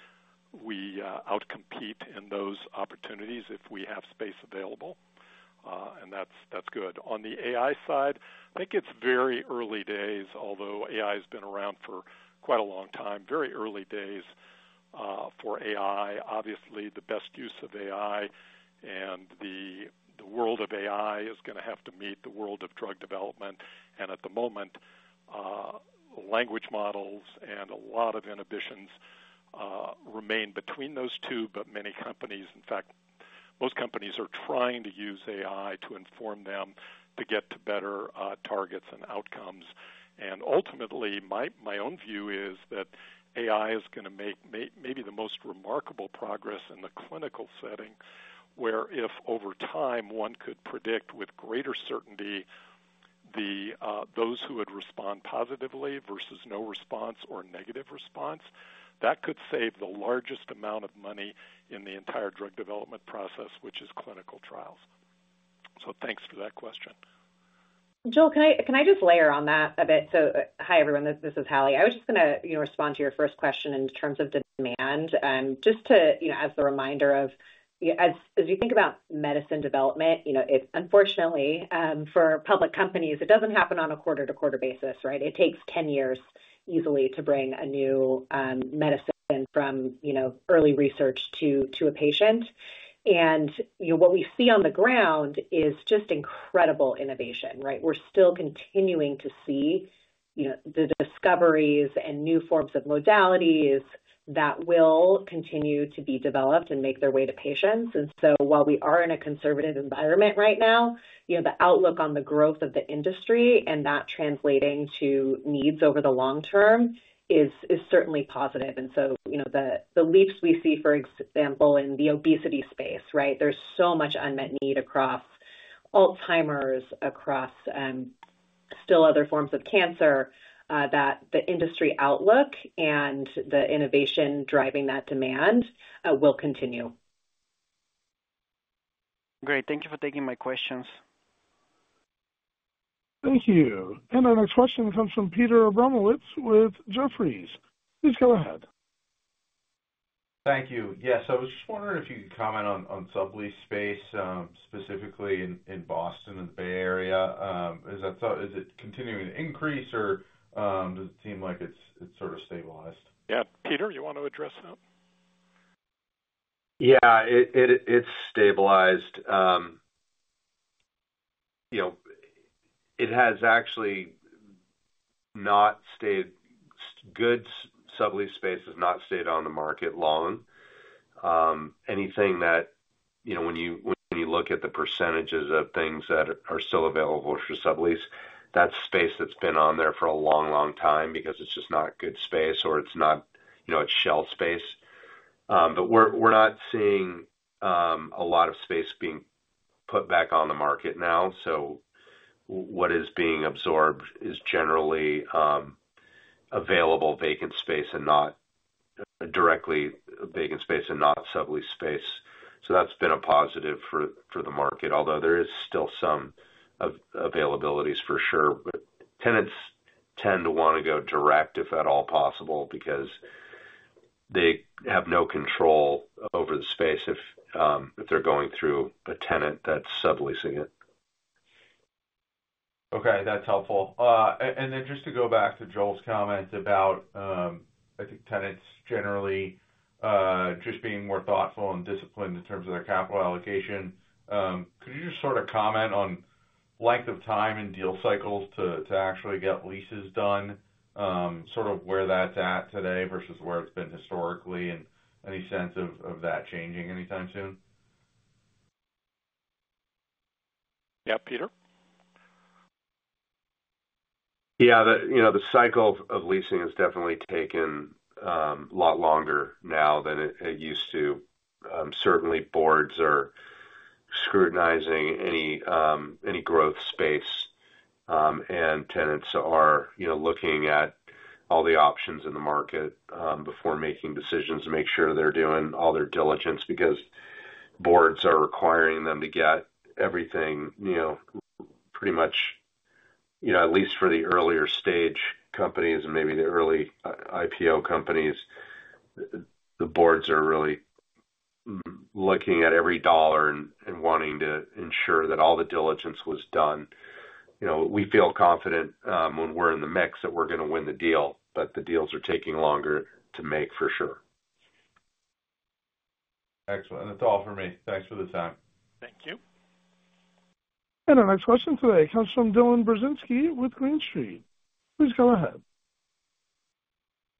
outcompete in those opportunities if we have space available, and that's good. On the AI side, I think it's very early days, although AI has been around for quite a long time. Very early days for AI. Obviously, the best use of AI and the world of AI is gonna have to meet the world of drug development. At the moment, language models and a lot of inhibitions remain between those two, but many companies, in fact, most companies are trying to use AI to inform them to get to better targets and outcomes. Ultimately, my own view is that AI is gonna make maybe the most remarkable progress in the clinical setting, where if over time, one could predict with greater certainty those who would respond positively versus no response or negative response, that could save the largest amount of money in the entire drug development process, which is clinical trials. So thanks for that question. Joel, can I just layer on that a bit? So, hi, everyone. This is Hallie. I was just gonna, you know, respond to your first question in terms of demand. Just to, you know, as a reminder of, yeah, as you think about medicine development, you know, it's unfortunately, for public companies, it doesn't happen on a quarter-to-quarter basis, right? It takes ten years easily to bring a new medicine from, you know, early research to a patient. And, you know, what we see on the ground is just incredible innovation, right? We're still continuing to see, you know, the discoveries and new forms of modalities that will continue to be developed and make their way to patients. While we are in a conservative environment right now, you know, the outlook on the growth of the industry and that translating to needs over the long term is certainly positive. You know, the leaps we see, for example, in the obesity space, right? There's so much unmet need across Alzheimer's, across still other forms of cancer, that the industry outlook and the innovation driving that demand will continue. Great. Thank you for taking my questions. Thank you. And our next question comes from Peter Abramowitz with Jefferies. Please go ahead. Thank you. Yes, I was just wondering if you could comment on sublease space, specifically in Boston and the Bay Area. Is it continuing to increase or does it seem like it's sort of stabilized? Yeah, Peter, you want to address that? Yeah, it, it's stabilized. You know, it has actually not stayed. Good sublease space has not stayed on the market long. Anything that, you know, when you look at the percentages of things that are still available for sublease, that's space that's been on there for a long, long time because it's just not good space or it's not, you know, it's shell space. But we're not seeing a lot of space being put back on the market now. So what is being absorbed is generally available vacant space and not directly vacant space and not sublease space. So that's been a positive for the market, although there is still some availabilities for sure. But tenants tend to wanna go direct, if at all possible, because they have no control over the space if they're going through a tenant that's subleasing it. Okay, that's helpful, and then just to go back to Joel's comment about, I think tenants generally, just being more thoughtful and disciplined in terms of their capital allocation. Could you just sort of comment on length of time and deal cycles to actually get leases done? Sort of where that's at today versus where it's been historically, and any sense of that changing anytime soon? Yeah, Peter? Yeah, you know, the cycle of leasing has definitely taken a lot longer now than it used to. Certainly boards are scrutinizing any growth space, and tenants are, you know, looking at all the options in the market before making decisions, to make sure they're doing all their diligence. Because boards are requiring them to get everything, you know, pretty much, you know, at least for the earlier stage companies and maybe the early IPO companies, the boards are really looking at every dollar and wanting to ensure that all the diligence was done. You know, we feel confident when we're in the mix, that we're gonna win the deal, but the deals are taking longer to make, for sure. Excellent. That's all for me. Thanks for the time. Thank you. And our next question today comes from Dylan Burzezinski with Green Street. Please go ahead.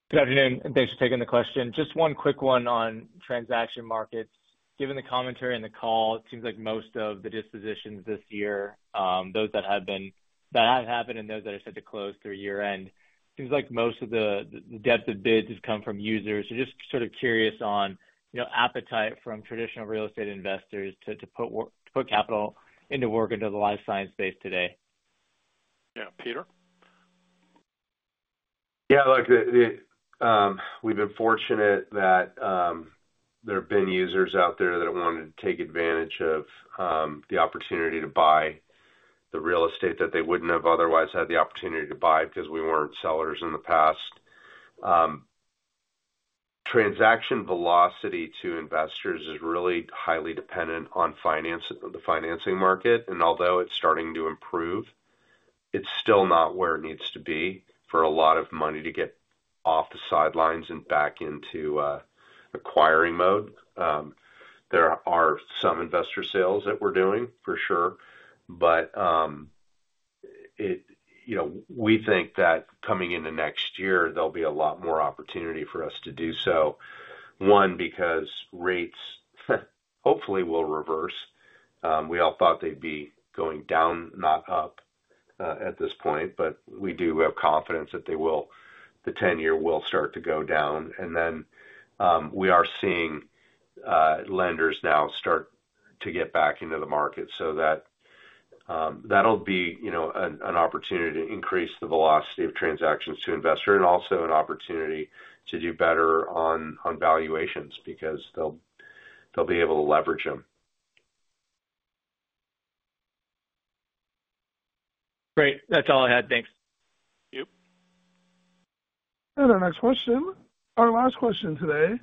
Good afternoon, and thanks for taking the question. Just one quick one on transaction markets. Given the commentary on the call, it seems like most of the dispositions this year, those that have happened and those that are set to close through year-end, seems like most of the depth of bids has come from users. So just sort of curious on, you know, appetite from traditional real estate investors to put capital to work into the life science space today. Yeah, Peter? Yeah, look, the. We've been fortunate that there have been users out there that have wanted to take advantage of the opportunity to buy the real estate that they wouldn't have otherwise had the opportunity to buy because we weren't sellers in the past. Transaction velocity to investors is really highly dependent on finance, the financing market, and although it's starting to improve, it's still not where it needs to be for a lot of money to get off the sidelines and back into acquiring mode. There are some investor sales that we're doing, for sure, but it, you know, we think that coming into next year, there'll be a lot more opportunity for us to do so. One, because rates, hopefully, will reverse. We all thought they'd be going down, not up, at this point, but we do have confidence that they will, the ten-year will start to go down. Then, we are seeing lenders now start to get back into the market. So that'll be, you know, an opportunity to increase the velocity of transactions to investors and also an opportunity to do better on valuations because they'll be able to leverage them. Great. That's all I had. Thanks. Thank you. Our next question, our last question today,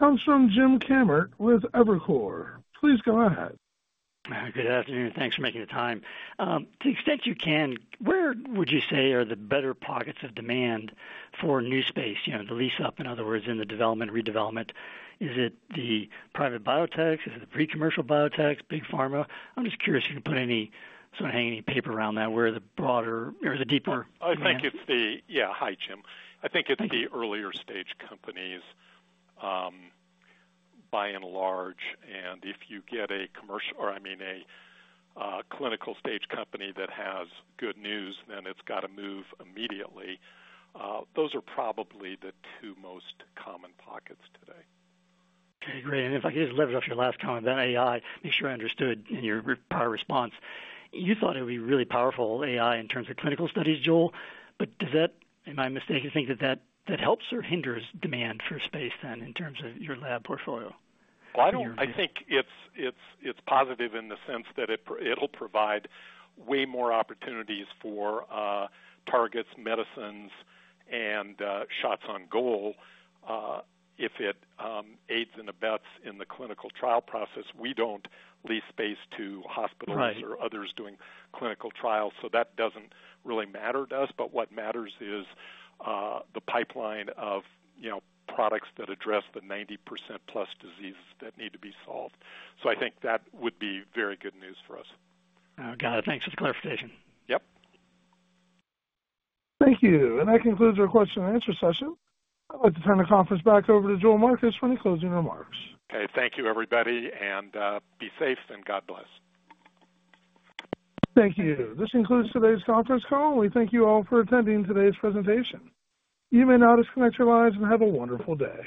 comes from Jim Kammert with Evercore. Please go ahead. Good afternoon. Thanks for making the time. To the extent you can, where would you say are the better pockets of demand for new space? You know, the lease up, in other words, in the development, redevelopment. Is it the private biotechs? Is it the pre-commercial biotechs, big pharma? I'm just curious if you can put any, sort of hang any paper around that, where the broader or the deeper- I think it's the... Yeah. Hi, Jim. I think it's the earlier stage companies, by and large, and if you get a commercial, or, I mean, a clinical stage company that has good news, then it's got to move immediately. Those are probably the two most common pockets today. Okay, great. And if I could just leverage off your last comment about AI, make sure I understood in your prior response. You thought it would be really powerful, AI, in terms of clinical studies, Joel, but does that, am I mistaken to think that that helps or hinders demand for space then, in terms of your lab portfolio? I think it's positive in the sense that it'll provide way more opportunities for targets, medicines and shots on goal if it aids and abets in the clinical trial process. We don't lease space to hospitals- Right. -or others doing clinical trials, so that doesn't really matter to us. But what matters is, the pipeline of, you know, products that address the 90% plus diseases that need to be solved. So I think that would be very good news for us. Got it. Thanks for the clarification. Yep. Thank you. And that concludes our question and answer session. I'd like to turn the conference back over to Joel Marcus for any closing remarks. Okay, thank you, everybody, and, be safe and God bless. Thank you. This concludes today's conference call. We thank you all for attending today's presentation. You may now disconnect your lines and have a wonderful day.